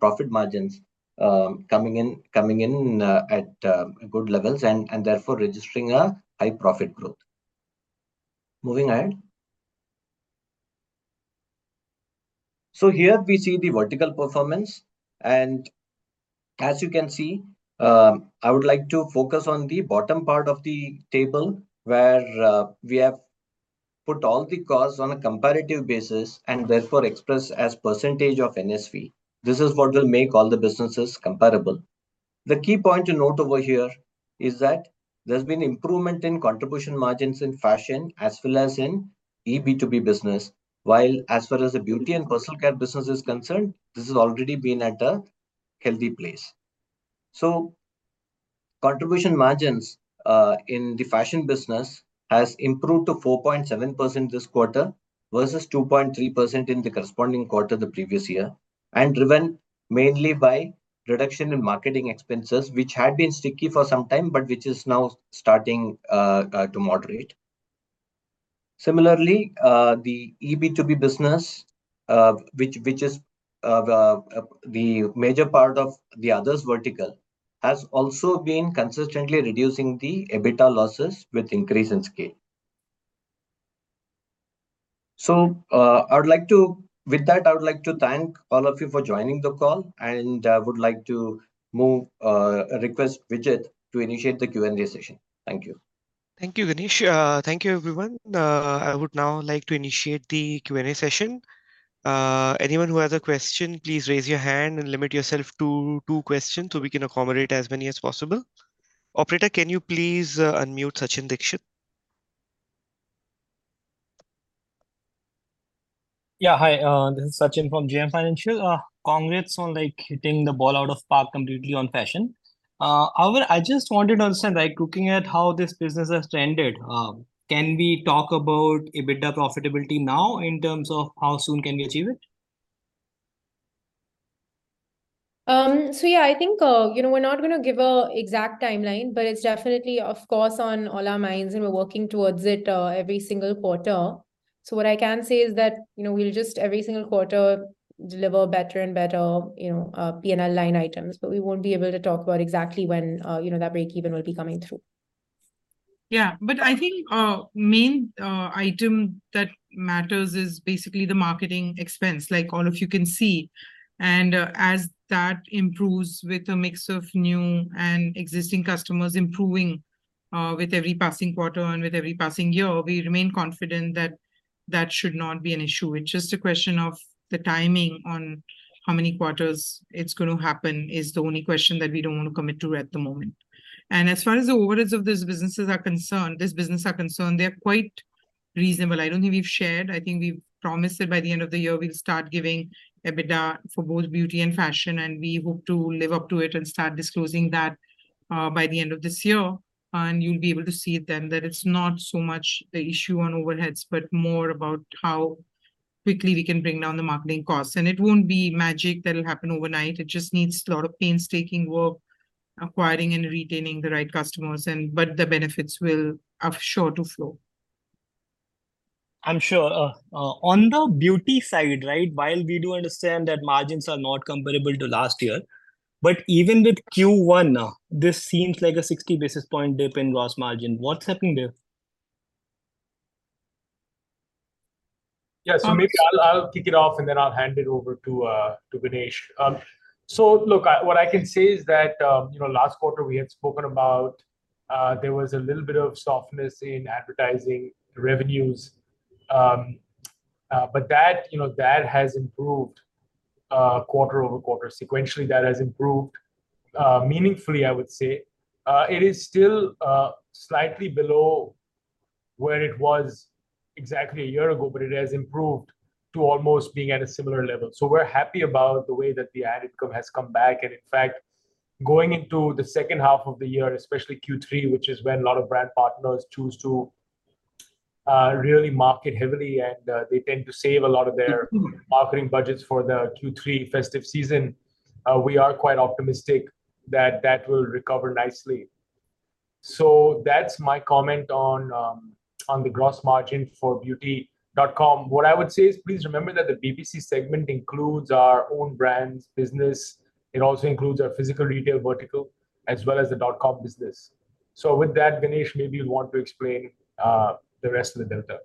profit margins coming in at good levels, and therefore registering a high profit growth. Moving ahead. So here we see the vertical performance, and as you can see, I would like to focus on the bottom part of the table, where we have put all the costs on a comparative basis, and therefore expressed as percentage of NSV. This is what will make all the businesses comparable. The key point to note over here is that there's been improvement in contribution margins in fashion as well as in eB2B business, while as far as the beauty and personal care business is concerned, this has already been at a healthy place. So contribution margins in the fashion business has improved to 4.7% this quarter, versus 2.3% in the corresponding quarter the previous year, and driven mainly by reduction in marketing expenses, which had been sticky for some time, but which is now starting to moderate. Similarly, the eB2B business, which is the major part of the Others vertical, has also been consistently reducing the EBITDA losses with increase in scale. I would like to—with that, I would like to thank all of you for joining the call, and would like to move, request Vijit to initiate the Q&A session. Thank you. Thank you, Ganesh. Thank you, everyone. I would now like to initiate the Q&A session. Anyone who has a question, please raise your hand and limit yourself to two questions so we can accommodate as many as possible. Operator, can you please unmute Sachin Dixit? Yeah. Hi, this is Sachin from JM Financial. Congrats on, like, hitting the ball out of park completely on fashion. However, I just wanted to understand, like, looking at how this business has trended, can we talk about EBITDA profitability now in terms of how soon can we achieve it? So yeah, I think, you know, we're not gonna give a exact timeline, but it's definitely, of course, on all our minds, and we're working towards it, every single quarter. So what I can say is that, you know, we'll just every single quarter deliver better and better, you know, P&L line items, but we won't be able to talk about exactly when, you know, that breakeven will be coming through. Yeah. But I think, main item that matters is basically the marketing expense, like all of you can see. And, as that improves with a mix of new and existing customers improving, with every passing quarter and with every passing year, we remain confident that that should not be an issue. It's just a question of the timing on how many quarters it's gonna happen is the only question that we don't want to commit to at the moment. And as far as the overheads of these businesses are concerned, this business are concerned, they're quite reasonable. I don't think we've shared, I think we've promised that by the end of the year, we'll start giving EBITDA for both beauty and fashion, and we hope to live up to it and start disclosing that, by the end of this year. You'll be able to see then that it's not so much the issue on overheads, but more about how quickly we can bring down the marketing costs. It won't be magic that'll happen overnight. It just needs a lot of painstaking work, acquiring and retaining the right customers, and but the benefits will are sure to flow. I'm sure. On the beauty side, right, while we do understand that margins are not comparable to last year, but even with Q1, this seems like a 60 basis point dip in gross margin. What's happening there? Yeah- So maybe I'll, I'll kick it off, and then I'll hand it over to Ganesh. So look, what I can say is that, you know, last quarter we had spoken about there was a little bit of softness in advertising revenues. But that, you know, that has improved quarter over quarter. Sequentially, that has improved meaningfully, I would say. It is still slightly below where it was exactly a year ago, but it has improved to almost being at a similar level. So we're happy about the way that the ad income has come back. And in fact, going into the second half of the year, especially Q3, which is when a lot of brand partners choose to really market heavily, and they tend to save a lot of their-... marketing budgets for the Q3 festive season, we are quite optimistic that that will recover nicely. So that's my comment on, on the gross margin for beauty.com. What I would say is, please remember that the BPC segment includes our own brands business. It also includes our physical retail vertical, as well as the .com business. So with that, Ganesh, maybe you'd want to explain, the rest of the delta.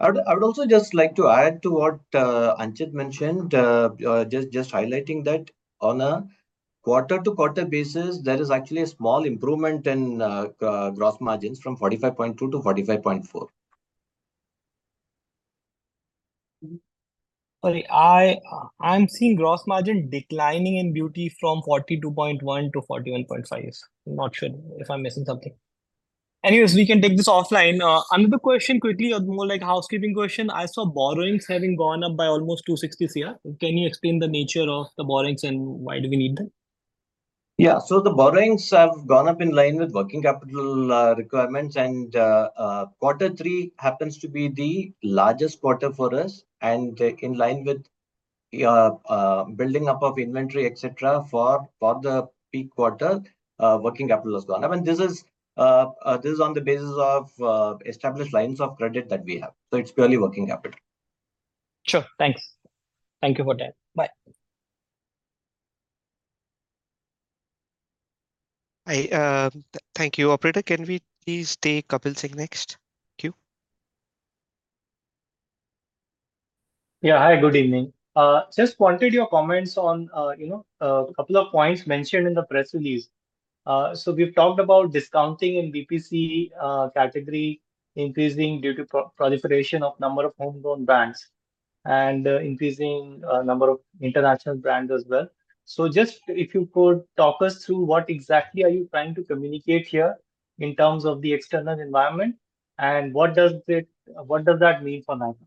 I would also just like to add to what Anchit mentioned, just highlighting that on a quarter-to-quarter basis, there is actually a small improvement in gross margins from 45.2% to 45.4%.... Sorry, I, I'm seeing gross margin declining in beauty from 42.1% to 41.5%. I'm not sure if I'm missing something. Anyways, we can take this offline. Another question, quickly, or more like housekeeping question: I saw borrowings having gone up by almost 260 crore. Can you explain the nature of the borrowings, and why do we need them? Yeah, so the borrowings have gone up in line with working capital requirements, and quarter three happens to be the largest quarter for us. And in line with your building up of inventory, et cetera, for the peak quarter, working capital has gone up. And this is on the basis of established lines of credit that we have, so it's purely working capital. Sure. Thanks. Thank you for that. Bye. Thank you. Operator, can we please take Kapil Singh next? Thank you. Yeah. Hi, good evening. Just wanted your comments on, you know, a couple of points mentioned in the press release. So we've talked about discounting in BPC category increasing due to proliferation of number of homegrown brands, and increasing number of international brands as well. So just if you could talk us through, what exactly are you trying to communicate here in terms of the external environment, and what does it... what does that mean for Nykaa?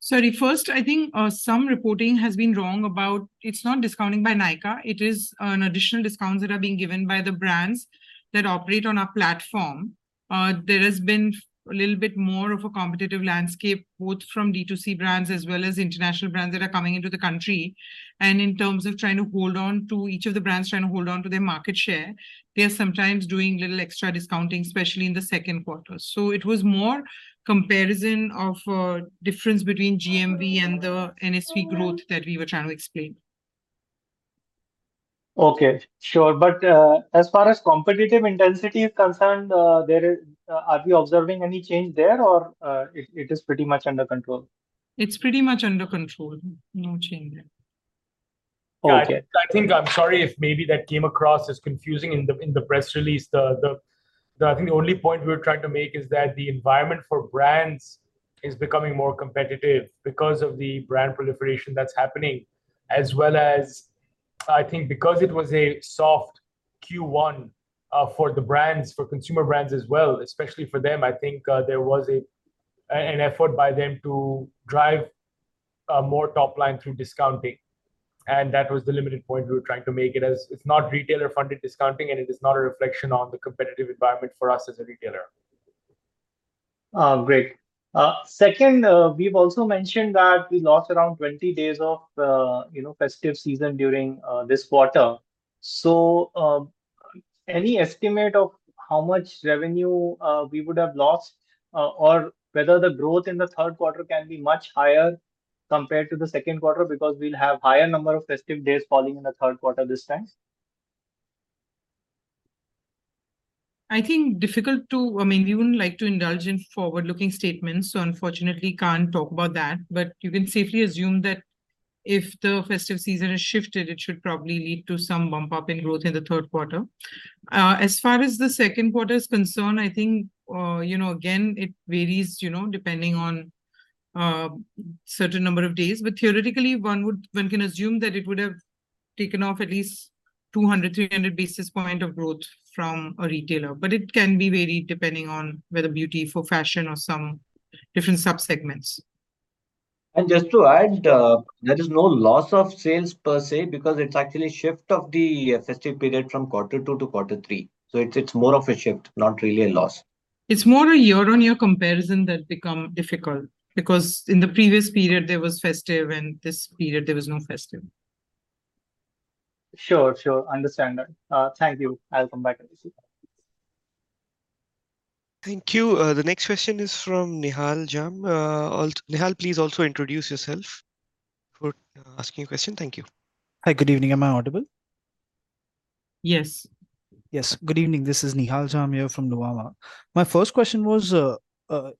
Sorry, first, I think, some reporting has been wrong about... It's not discounting by Nykaa, it is, an additional discounts that are being given by the brands that operate on our platform. There has been a little bit more of a competitive landscape, both from D2C brands as well as international brands that are coming into the country. And in terms of trying to hold on to... Each of the brands trying to hold on to their market share, they are sometimes doing little extra discounting, especially in the second quarter. So it was more comparison of a difference between GMV and the NSV growth that we were trying to explain. Okay. Sure. But, as far as competitive intensity is concerned, are we observing any change there or, it, it is pretty much under control? It's pretty much under control, no change there. Okay. I think I'm sorry if maybe that came across as confusing in the press release. The I think the only point we were trying to make is that the environment for brands is becoming more competitive because of the brand proliferation that's happening, as well as, I think because it was a soft Q1 for the brands, for consumer brands as well, especially for them, I think there was an effort by them to drive more top line through discounting, and that was the limited point we were trying to make. It is, it's not retailer-funded discounting, and it is not a reflection on the competitive environment for us as a retailer. Great. Second, we've also mentioned that we lost around 20 days of, you know, festive season during this quarter. So, any estimate of how much revenue we would have lost, or whether the growth in the third quarter can be much higher compared to the second quarter? Because we'll have higher number of festive days falling in the third quarter this time. I think difficult to... I mean, we wouldn't like to indulge in forward-looking statements, so unfortunately can't talk about that. But you can safely assume that if the festive season is shifted, it should probably lead to some bump up in growth in the third quarter. As far as the second quarter is concerned, I think, you know, again, it varies, you know, depending on certain number of days. But theoretically, one can assume that it would have taken off at least 200-300 basis point of growth from a retailer, but it can be varied depending on whether beauty, for fashion, or some different sub-segments. Just to add, there is no loss of sales per se because it's actually shift of the festive period from quarter two to quarter three. So it's more of a shift, not really a loss. It's more a year-over-year comparison that become difficult, because in the previous period there was festive, and this period there was no festive. Sure, sure. Understand that. Thank you. I'll come back if you- Thank you. The next question is from Nehal Jain. Nehal, please also introduce yourself before asking your question. Thank you. Hi, good evening. Am I audible? Yes. Yes. Good evening, this is Nehal Jain from Nuvama. My first question was,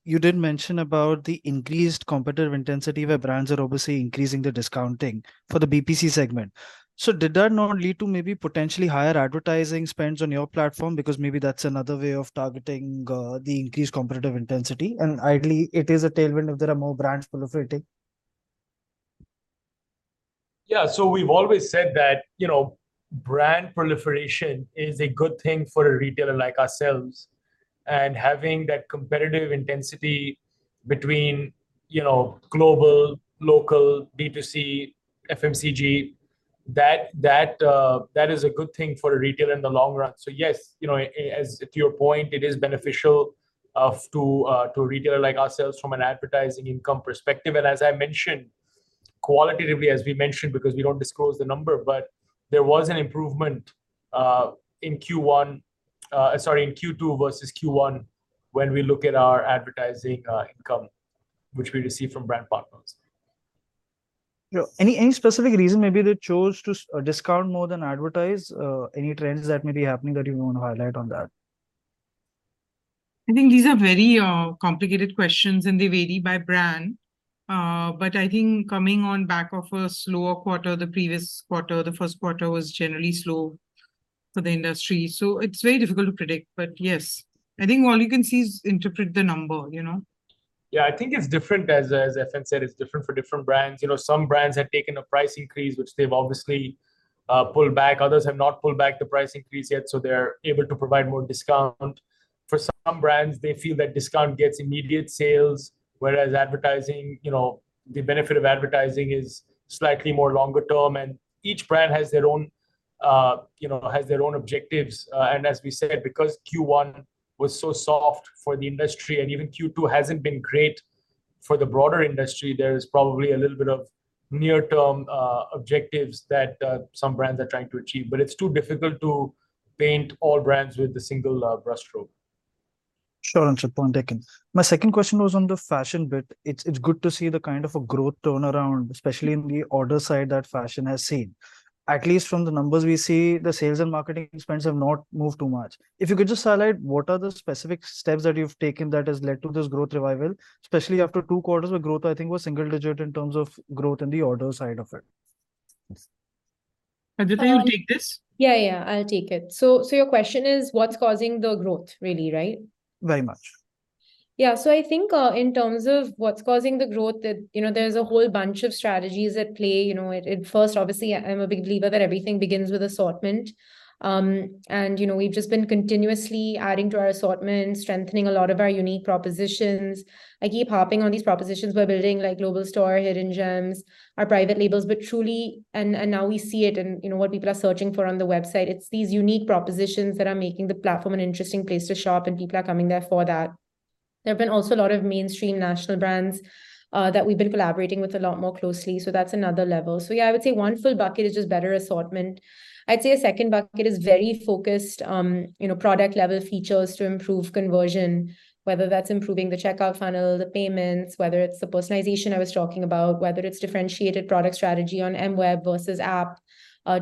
you did mention about the increased competitive intensity, where brands are obviously increasing the discounting for the BPC segment. So did that not lead to maybe potentially higher advertising spends on your platform? Because maybe that's another way of targeting the increased competitive intensity, and ideally, it is a tailwind if there are more brands proliferating. Yeah, so we've always said that, you know, brand proliferation is a good thing for a retailer like ourselves, and having that competitive intensity between, you know, global, local, B2C, FMCG, that is a good thing for a retailer in the long run. So yes, you know, as to your point, it is beneficial to a retailer like ourselves from an advertising income perspective. And as I mentioned, qualitatively, as we mentioned, because we don't disclose the number, but there was an improvement in Q2 versus Q1, when we look at our advertising income, which we receive from brand partners. Yeah. Any specific reason maybe they chose to discount more than advertise? Any trends that may be happening that you wanna highlight on that? I think these are very complicated questions, and they vary by brand. But I think coming on back off a slower quarter, the previous quarter, the first quarter was generally slow for the industry. So it's very difficult to predict. But yes, I think all you can see is interpret the number, you know? Yeah, I think it's different. As FN said, it's different for different brands. You know, some brands have taken a price increase, which they've obviously pulled back. Others have not pulled back the price increase yet, so they're able to provide more discount. For some brands, they feel that discount gets immediate sales, whereas advertising, you know, the benefit of advertising is slightly more longer term. And each brand has their own, you know, has their own objectives. And as we said, because Q1 was so soft for the industry and even Q2 hasn't been great for the broader industry, there is probably a little bit of near-term objectives that some brands are trying to achieve, but it's too difficult to paint all brands with the single brush stroke. Sure, and good point, Anchit. My second question was on the fashion bit. It's, it's good to see the kind of a growth turnaround, especially in the order side that fashion has seen. At least from the numbers we see, the sales and marketing spends have not moved too much. If you could just highlight what are the specific steps that you've taken that has led to this growth revival, especially after two quarters where growth, I think, was single digit in terms of growth in the order side of it? Adwaita, you take this? Yeah, yeah, I'll take it. So, so your question is what's causing the growth really, right? Very much. Yeah, so I think in terms of what's causing the growth, you know, there's a whole bunch of strategies at play. You know, it first, obviously, I'm a big believer that everything begins with assortment. And you know, we've just been continuously adding to our assortment, strengthening a lot of our unique propositions. I keep harping on these propositions we're building, like global store, hidden gems, our private labels, but truly... And now we see it, and you know, what people are searching for on the website, it's these unique propositions that are making the platform an interesting place to shop, and people are coming there for that. There have been also a lot of mainstream national brands that we've been collaborating with a lot more closely, so that's another level. So yeah, I would say one full bucket is just better assortment. I'd say a second bucket is very focused, you know, product-level features to improve conversion, whether that's improving the checkout funnel, the payments, whether it's the personalization I was talking about, whether it's differentiated product strategy on mWeb versus app.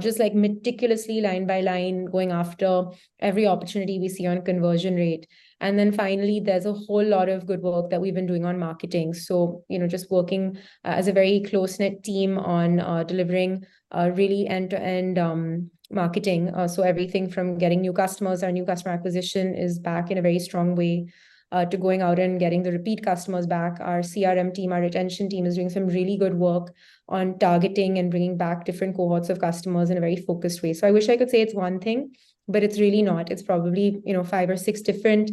Just like meticulously line by line, going after every opportunity we see on conversion rate. And then finally, there's a whole lot of good work that we've been doing on marketing. So, you know, just working as a very close-knit team on delivering really end-to-end marketing. So everything from getting new customers, our new customer acquisition is back in a very strong way, to going out and getting the repeat customers back. Our CRM team, our retention team, is doing some really good work on targeting and bringing back different cohorts of customers in a very focused way. So I wish I could say it's one thing, but it's really not. It's probably, you know, five or six different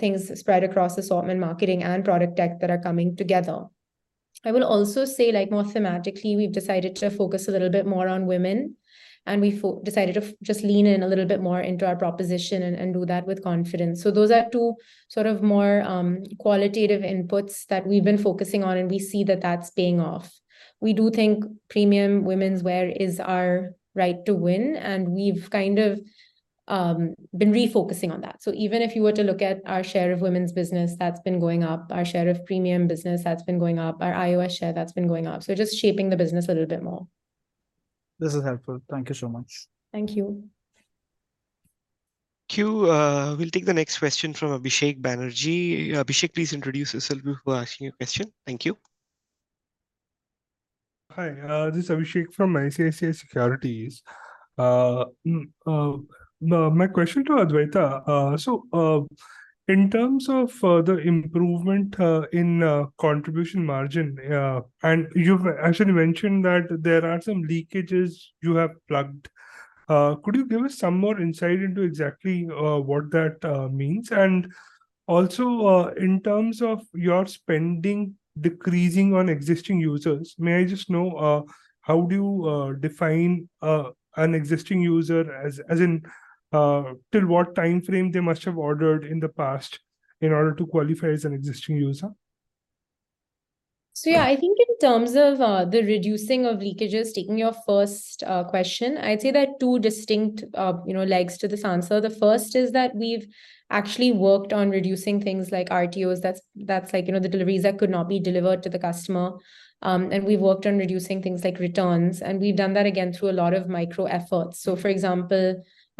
things spread across assortment, marketing, and product tech that are coming together. I will also say, like more thematically, we've decided to focus a little bit more on women, and we decided to just lean in a little bit more into our proposition and, and do that with confidence. So those are two sort of more qualitative inputs that we've been focusing on, and we see that that's paying off. We do think premium women's wear is our right to win, and we've kind of been refocusing on that. So even if you were to look at our share of women's business, that's been going up. Our share of premium business, that's been going up. Our iOS share, that's been going up. Just shaping the business a little bit more. This is helpful. Thank you so much. Thank you. Thank you. We'll take the next question from Abhishek Banerjee. Abhishek, please introduce yourself before asking your question. Thank you. Hi, this is Abhishek from ICICI Securities. My question to Adwaita, so, in terms of the improvement in contribution margin, and you've actually mentioned that there are some leakages you have plugged. Could you give us some more insight into exactly what that means? And also, in terms of your spending decreasing on existing users, may I just know how do you define an existing user as in till what timeframe they must have ordered in the past in order to qualify as an existing user? So yeah, I think in terms of, the reducing of leakages, taking your first, question, I'd say there are two distinct, you know, legs to this answer. The first is that we've actually worked on reducing things like RTOs. That's like, you know, the deliveries that could not be delivered to the customer. And we've worked on reducing things like returns, and we've done that again through a lot of micro efforts. So for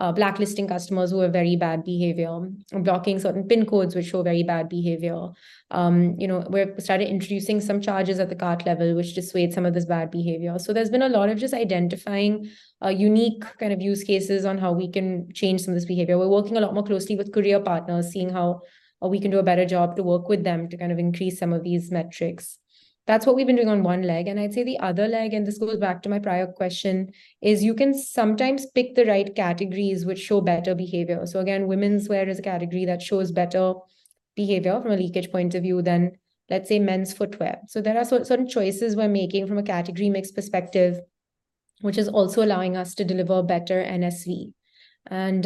example, blacklisting customers who have very bad behavior, blocking certain PIN codes which show very bad behavior. You know, we've started introducing some charges at the cart level, which dissuade some of this bad behavior. So there's been a lot of just identifying, unique kind of use cases on how we can change some of this behavior. We're working a lot more closely with courier partners, seeing how we can do a better job to work with them to kind of increase some of these metrics. That's what we've been doing on one leg, and I'd say the other leg, and this goes back to my prior question, is you can sometimes pick the right categories which show better behavior. So again, women's wear is a category that shows better behavior from a leakage point of view than, let's say, men's footwear. So there are certain choices we're making from a category mix perspective, which is also allowing us to deliver better NSV. And,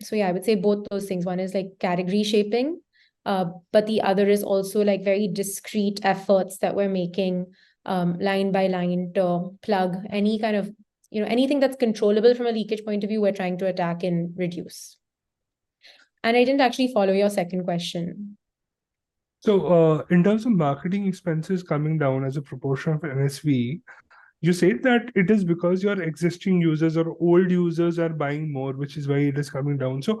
so yeah, I would say both those things. One is, like, category shaping, but the other is also, like, very discrete efforts that we're making, line by line to plug any kind of... You know, anything that's controllable from a leakage point of view, we're trying to attack and reduce. I didn't actually follow your second question. So, in terms of marketing expenses coming down as a proportion of NSV, you said that it is because your existing users or old users are buying more, which is why it is coming down. So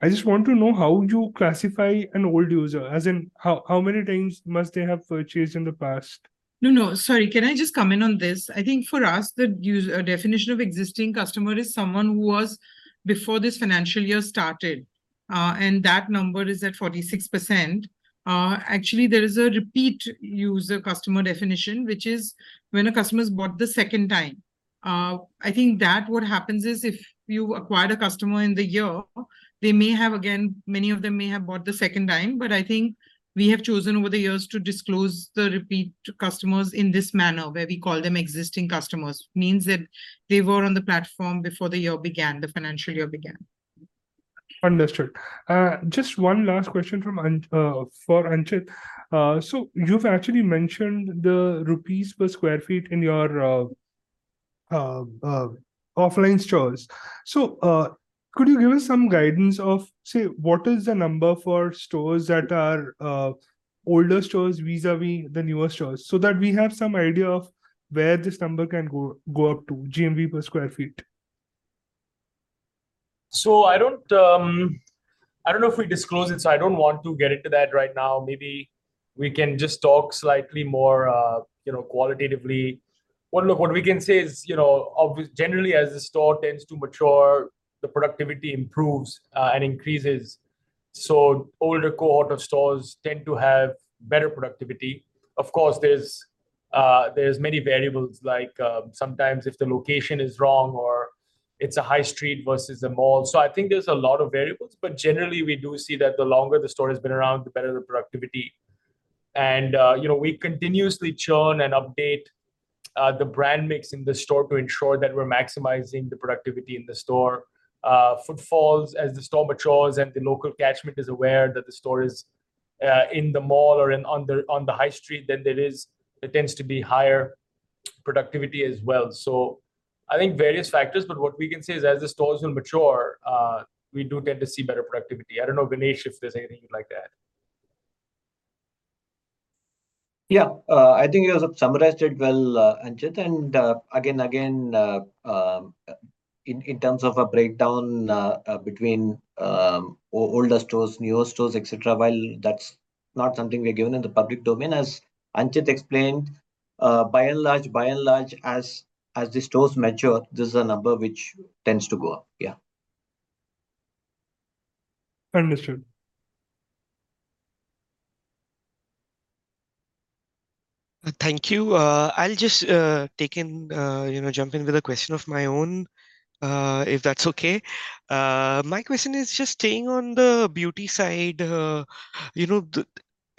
I just want to know how you classify an old user, as in how many times must they have purchased in the past? No, no, sorry, can I just come in on this? I think for us, the definition of existing customer is someone who was before this financial year started, and that number is at 46%. Actually, there is a repeat user customer definition, which is when a customer's bought the second time. I think that what happens is, if you acquired a customer in the year, they may have again—many of them may have bought the second time. But I think we have chosen over the years to disclose the repeat customers in this manner, where we call them existing customers. Means that they were on the platform before the year began, the financial year began. Understood. Just one last question from An for Anchit. So you've actually mentioned the INR per sq ft in your offline stores. So could you give us some guidance of, say, what is the number for stores that are older stores vis-à-vis the newer stores, so that we have some idea of where this number can go, go up to, GMV per sq ft? So I don't, I don't know if we disclose it, so I don't want to get into that right now. Maybe we can just talk slightly more, you know, qualitatively. One, look, what we can say is, you know, obvious, generally, as the store tends to mature, the productivity improves, and increases, so older cohort of stores tend to have better productivity. Of course, there's many variables, like, sometimes if the location is wrong or it's a high street versus a mall. So I think there's a lot of variables, but generally, we do see that the longer the store has been around, the better the productivity. And, you know, we continuously churn and update, the brand mix in the store to ensure that we're maximizing the productivity in the store. Footfalls, as the store matures and the local catchment is aware that the store is in the mall or in, on the, on the high street, then there is. It tends to be higher productivity as well. So I think various factors, but what we can say is, as the stores will mature, we do get to see better productivity. I don't know, Ganesh, if there's anything you'd like to add. Yeah. I think you summarized it well, Anchit. In terms of a breakdown between older stores, newer stores, et cetera, while that's not something we've given in the public domain, as Anchit explained, by and large, as the stores mature, this is a number which tends to go up. Yeah. Understood. Thank you. I'll just, you know, jump in with a question of my own, if that's okay. My question is just staying on the beauty side. You know,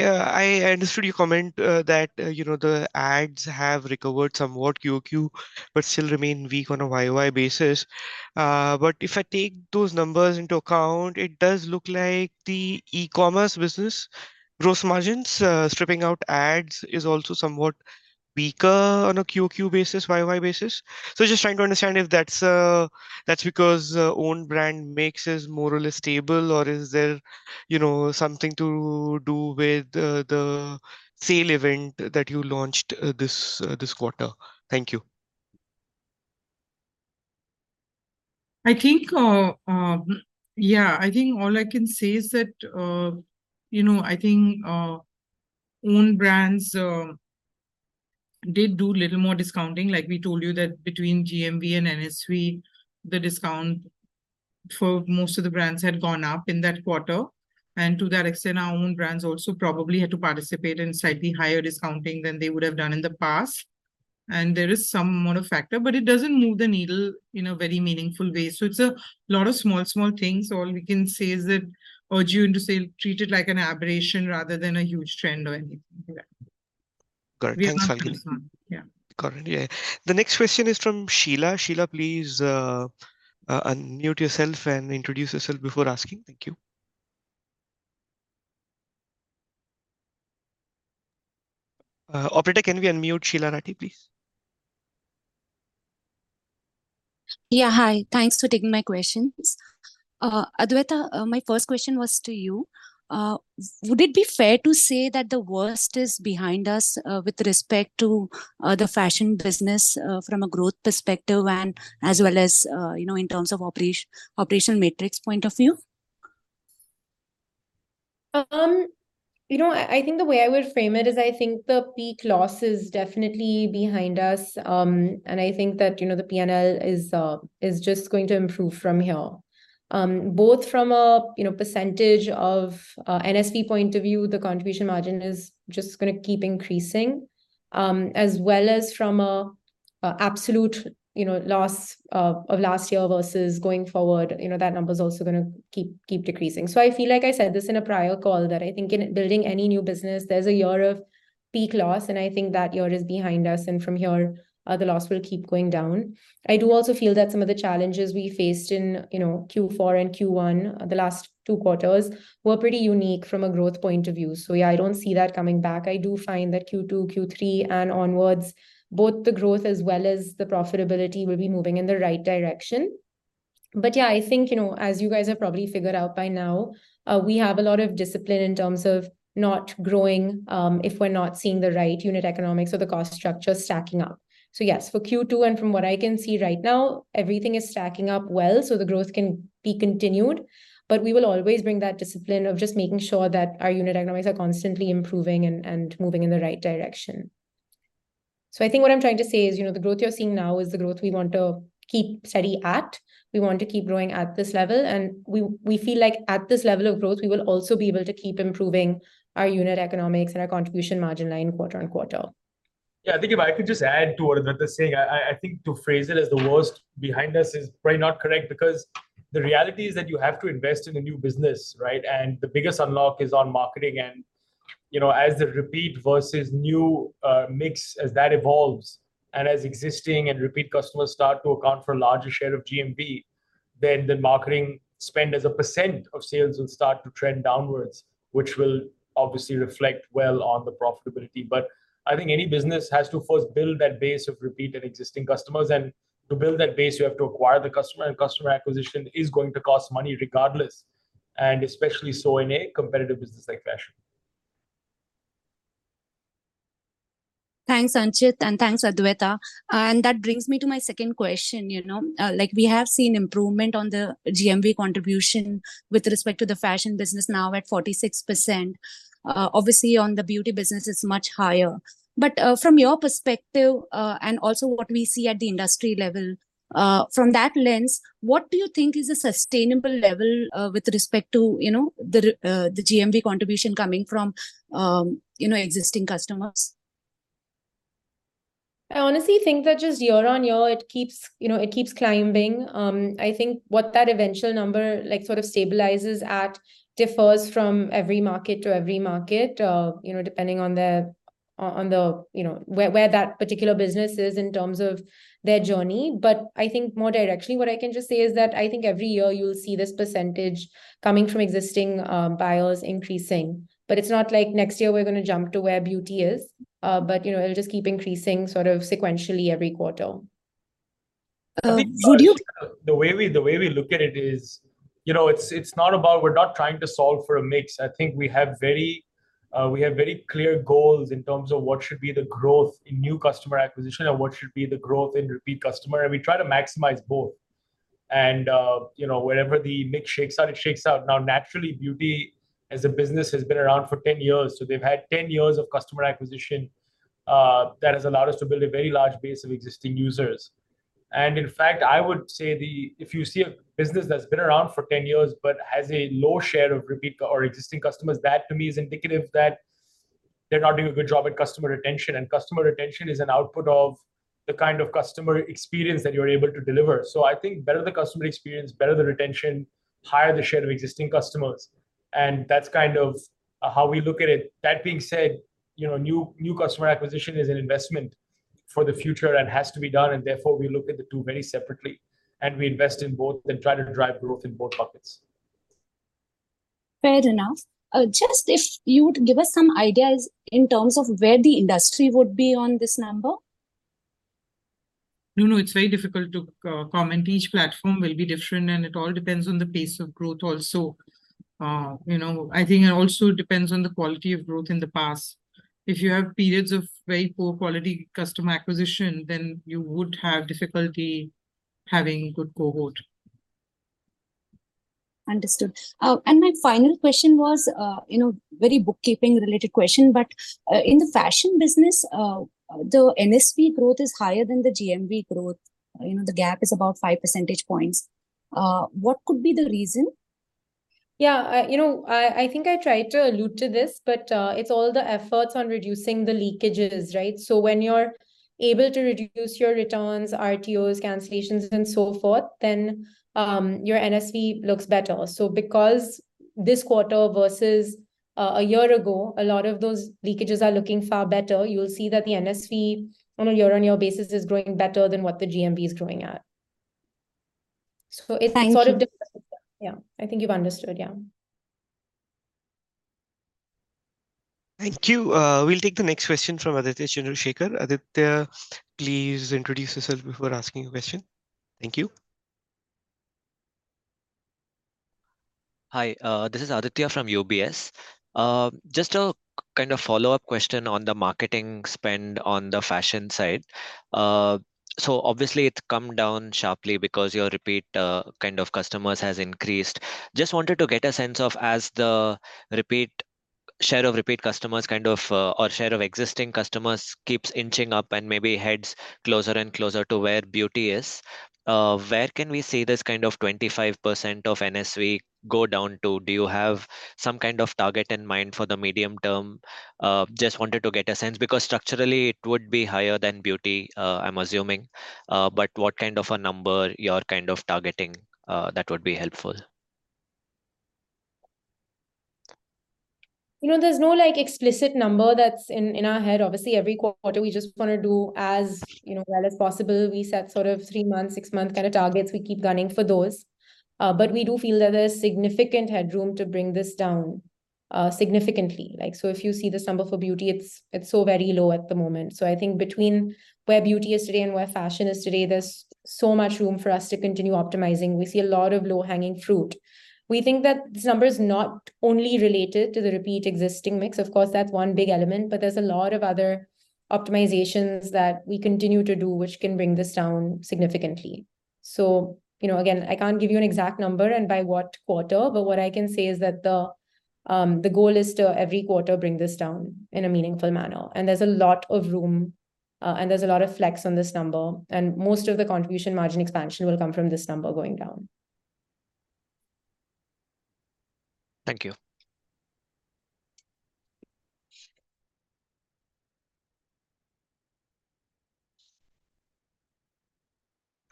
I understood your comment that you know, the ads have recovered somewhat QOQ, but still remain weak on a YOY basis. But if I take those numbers into account, it does look like the e-commerce business gross margins, stripping out ads, is also somewhat weaker on a QOQ basis, YOY basis. So just trying to understand if that's because own brand mix is more or less stable, or is there, you know, something to do with the sale event that you launched, this quarter? Thank you. I think, yeah, I think all I can say is that, you know, I think, own brands, did do a little more discounting. Like we told you that between GMV and NSV, the discount for most of the brands had gone up in that quarter. And to that extent, our own brands also probably had to participate in slightly higher discounting than they would have done in the past. And there is somewhat a factor, but it doesn't move the needle in a very meaningful way. So it's a lot of small, small things. All we can say is that, urge you to say, treat it like an aberration rather than a huge trend or anything like that. Correct. Thanks, Anchit. Yeah. Got it. Yeah. The next question is from Sheela. Sheela, please, unmute yourself and introduce yourself before asking. Thank you. Operator, can we unmute Sheela Rathi, please? Yeah. Hi, thanks for taking my questions. Adwaita, my first question was to you. Would it be fair to say that the worst is behind us, with respect to the fashion business, from a growth perspective and as well as, you know, in terms of operational metrics point of view? You know, I think the way I would frame it is, I think the peak loss is definitely behind us. And I think that, you know, the PNL is just going to improve from here. Both from a, you know, percentage of NSV point of view, the contribution margin is just gonna keep increasing, as well as from a absolute, you know, loss of last year versus going forward. You know, that number's also gonna keep decreasing. So I feel like I said this in a prior call, that I think in building any new business, there's a year of peak loss, and I think that year is behind us, and from here, the loss will keep going down. I do also feel that some of the challenges we faced in, you know, Q4 and Q1, the last two quarters, were pretty unique from a growth point of view. So yeah, I don't see that coming back. I do find that Q2, Q3, and onwards, both the growth as well as the profitability will be moving in the right direction. But yeah, I think, you know, as you guys have probably figured out by now, we have a lot of discipline in terms of not growing, if we're not seeing the right unit economics or the cost structure stacking up. So yes, for Q2, and from what I can see right now, everything is stacking up well, so the growth can be continued. We will always bring that discipline of just making sure that our unit economics are constantly improving and moving in the right direction. So I think what I'm trying to say is, you know, the growth you're seeing now is the growth we want to keep steady at. We want to keep growing at this level, and we feel like at this level of growth, we will also be able to keep improving our unit economics and our contribution margin line quarter on quarter. Yeah, I think if I could just add to what Adwaita is saying, I think to phrase it as the worst behind us is probably not correct, because the reality is that you have to invest in a new business, right? And the biggest unlock is on marketing. And, you know, as the repeat versus new mix, as that evolves, and as existing and repeat customers start to account for a larger share of GMV, then the marketing spend as a percent of sales will start to trend downwards, which will obviously reflect well on the profitability. But I think any business has to first build that base of repeat and existing customers, and to build that base, you have to acquire the customer, and customer acquisition is going to cost money regardless, and especially so in a competitive business like fashion. Thanks, Anchit, and thanks, Adwaita. That brings me to my second question, you know. Like, we have seen improvement on the GMV contribution with respect to the fashion business now at 46%. Obviously, on the beauty business it's much higher. But, from your perspective, and also what we see at the industry level, from that lens, what do you think is a sustainable level, with respect to, you know, the GMV contribution coming from, you know, existing customers? I honestly think that just year-on-year, it keeps, you know, it keeps climbing. I think what that eventual number, like, sort of stabilizes at differs from every market to every market, you know, depending on the, you know, where that particular business is in terms of their journey. But I think more directionally, what I can just say is that I think every year you'll see this percentage coming from existing buyers increasing. But it's not like next year we're gonna jump to where beauty is, but, you know, it'll just keep increasing sort of sequentially every quarter. Would you- The way we, the way we look at it is, you know, it's, it's not about... We're not trying to solve for a mix. I think we have very, we have very clear goals in terms of what should be the growth in new customer acquisition and what should be the growth in repeat customer, and we try to maximize both. And, you know, wherever the mix shakes out, it shakes out. Now, naturally, beauty as a business has been around for 10 years, so they've had 10 years of customer acquisition, that has allowed us to build a very large base of existing users. In fact, I would say the if you see a business that's been around for 10 years but has a low share of repeat or existing customers, that to me is indicative that they're not doing a good job at customer retention, and customer retention is an output of the kind of customer experience that you're able to deliver. So I think better the customer experience, better the retention, higher the share of existing customers, and that's kind of how we look at it. That being said, you know, new, new customer acquisition is an investment for the future and has to be done, and therefore, we look at the two very separately, and we invest in both and try to drive growth in both buckets. Fair enough. Just if you would give us some ideas in terms of where the industry would be on this number? No, no, it's very difficult to comment. Each platform will be different, and it all depends on the pace of growth also. You know, I think it also depends on the quality of growth in the past. If you have periods of very poor quality customer acquisition, then you would have difficulty having good cohort. Understood. And my final question was, you know, very bookkeeping-related question, but, in the fashion business, the NSV growth is higher than the GMV growth. You know, the gap is about 5 percentage points. What could be the reason? Yeah, you know, I think I tried to allude to this, but, it's all the efforts on reducing the leakages, right? So when you're able to reduce your returns, RTOs, cancellations, and so forth, then, your NSV looks better. So because this quarter versus, a year ago, a lot of those leakages are looking far better, you'll see that the NSV on a year-on-year basis is growing better than what the GMV is growing at. So it's- Thank you... sort of different. Yeah, I think you've understood. Yeah. Thank you. We'll take the next question from Aditya Chandrasekar. Aditya, please introduce yourself before asking a question. Thank you. Hi, this is Aditya from UBS. Just a kind of follow-up question on the marketing spend on the fashion side. So obviously it's come down sharply because your repeat, kind of customers has increased. Just wanted to get a sense of as the repeat share of repeat customers kind of, or share of existing customers keeps inching up and maybe heads closer and closer to where beauty is, where can we see this kind of 25% of NSV go down to? Do you have some kind of target in mind for the medium term? Just wanted to get a sense, because structurally it would be higher than beauty, I'm assuming. But what kind of a number you're kind of targeting, that would be helpful. You know, there's no, like, explicit number that's in, in our head. Obviously, every quarter we just wanna do as, you know, well as possible. We set sort of three-month, six-month kind of targets. We keep gunning for those. But we do feel there is significant headroom to bring this down.... significantly. Like, so if you see this number for beauty, it's, it's so very low at the moment. So I think between where beauty is today and where fashion is today, there's so much room for us to continue optimizing. We see a lot of low-hanging fruit. We think that this number is not only related to the repeat existing mix, of course, that's one big element, but there's a lot of other optimizations that we continue to do which can bring this down significantly. So, you know, again, I can't give you an exact number and by what quarter, but what I can say is that the goal is to every quarter bring this down in a meaningful manner. And there's a lot of room, and there's a lot of flex on this number, and most of the contribution margin expansion will come from this number going down. Thank you.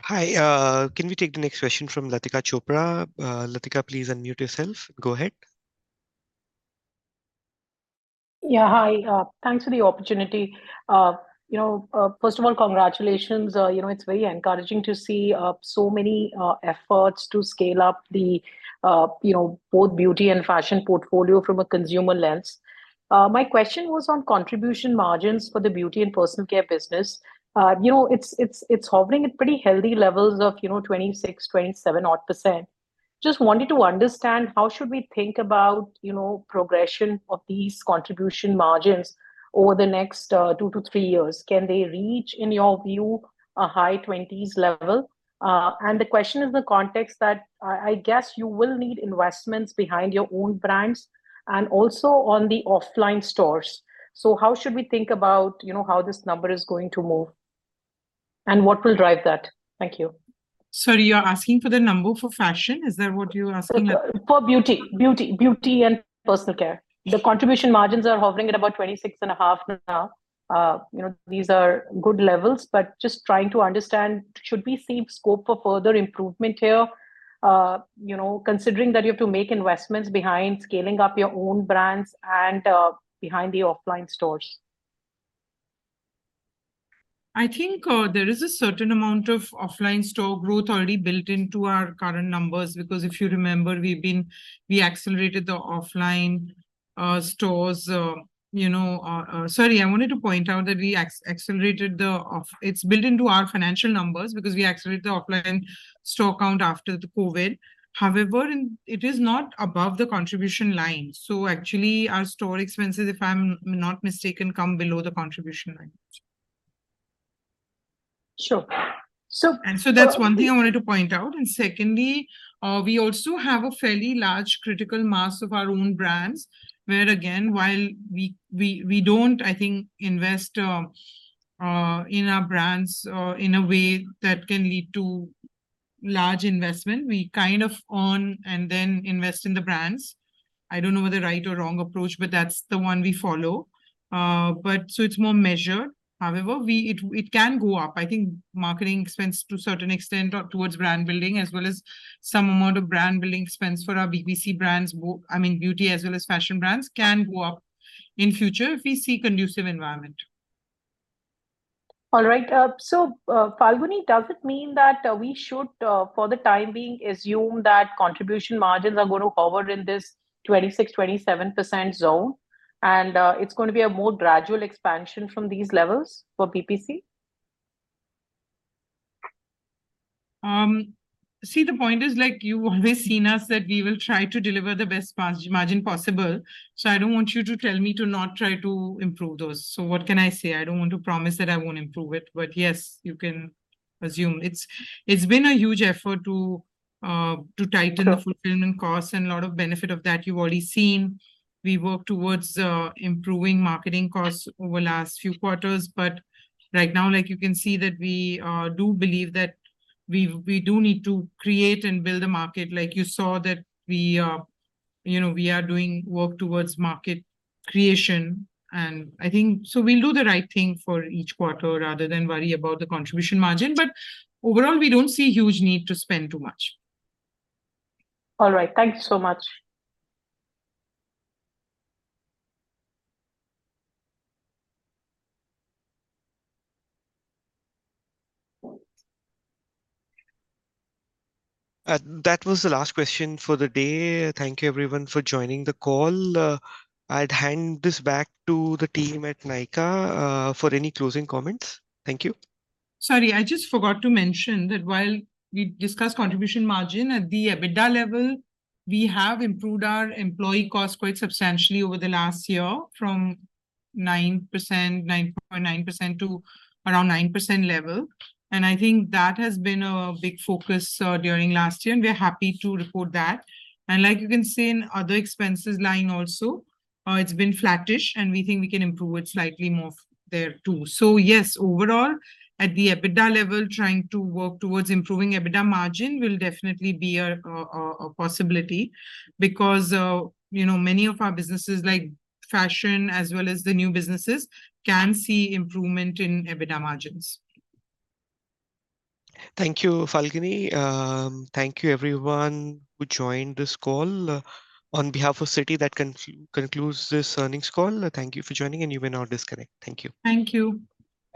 Hi, can we take the next question from Latika Chopra? Latika, please unmute yourself. Go ahead. Yeah. Hi, thanks for the opportunity. You know, first of all, congratulations. You know, it's very encouraging to see so many efforts to scale up the, you know, both beauty and fashion portfolio from a consumer lens. My question was on contribution margins for the beauty and personal care business. You know, it's hovering at pretty healthy levels of, you know, 26%-27% odd. Just wanted to understand how should we think about, you know, progression of these contribution margins over the next two to three years? Can they reach, in your view, a high 20s level? And the question is the context that I guess you will need investments behind your own brands and also on the offline stores. How should we think about, you know, how this number is going to move, and what will drive that? Thank you. Sorry, you're asking for the number for fashion? Is that what you're asking about? For beauty. Beauty, beauty and personal care. Yeah. The contribution margins are hovering at about 26.5% now. You know, these are good levels, but just trying to understand, should we see scope for further improvement here? You know, considering that you have to make investments behind scaling up your own brands and behind the offline stores. I think there is a certain amount of offline store growth already built into our current numbers, because if you remember, we accelerated the offline stores. Sorry, I wanted to point out that we accelerated the offline. It's built into our financial numbers, because we accelerated the offline store count after the COVID. However, and it is not above the contribution line, so actually, our store expenses, if I'm not mistaken, come below the contribution line. Sure. So- That's one thing I wanted to point out. Secondly, we also have a fairly large critical mass of our own brands, where, again, while we don't, I think, invest in our brands in a way that can lead to large investment. We kind of own and then invest in the brands. I don't know whether right or wrong approach, but that's the one we follow. But so it's more measured. However, it can go up. I think marketing spends to a certain extent towards brand building, as well as some amount of brand building spends for our BPC brands, I mean, beauty as well as fashion brands, can go up in future if we see conducive environment. All right. So, Falguni, does it mean that we should, for the time being, assume that contribution margins are going to hover in this 26%-27% zone, and it's going to be a more gradual expansion from these levels for BPC? See, the point is, like, you've always seen us, that we will try to deliver the best margin, margin possible, so I don't want you to tell me to not try to improve those. So what can I say? I don't want to promise that I won't improve it, but yes, you can assume. It's been a huge effort to to tighten- Sure... the fulfillment costs, and a lot of benefit of that you've already seen. We work towards improving marketing costs over the last few quarters, but right now, like, you can see that we do believe that we do need to create and build a market. Like, you saw that we, you know, we are doing work towards market creation, and I think. So we'll do the right thing for each quarter, rather than worry about the Contribution Margin. But overall, we don't see a huge need to spend too much. All right. Thank you so much. That was the last question for the day. Thank you, everyone, for joining the call. I'd hand this back to the team at Nykaa for any closing comments. Thank you. Sorry, I just forgot to mention that while we discussed contribution margin, at the EBITDA level, we have improved our employee costs quite substantially over the last year, from 9%, 9.9% to around 9% level, and I think that has been a big focus during last year, and we're happy to report that. And like you can see in other expenses line also, it's been flattish, and we think we can improve it slightly more there, too. So yes, overall, at the EBITDA level, trying to work towards improving EBITDA margin will definitely be a possibility because, you know, many of our businesses, like fashion as well as the new businesses, can see improvement in EBITDA margins. Thank you, Falguni. Thank you, everyone, who joined this call. On behalf of Citi, that concludes this earnings call. Thank you for joining in. You may now disconnect. Thank you. Thank you.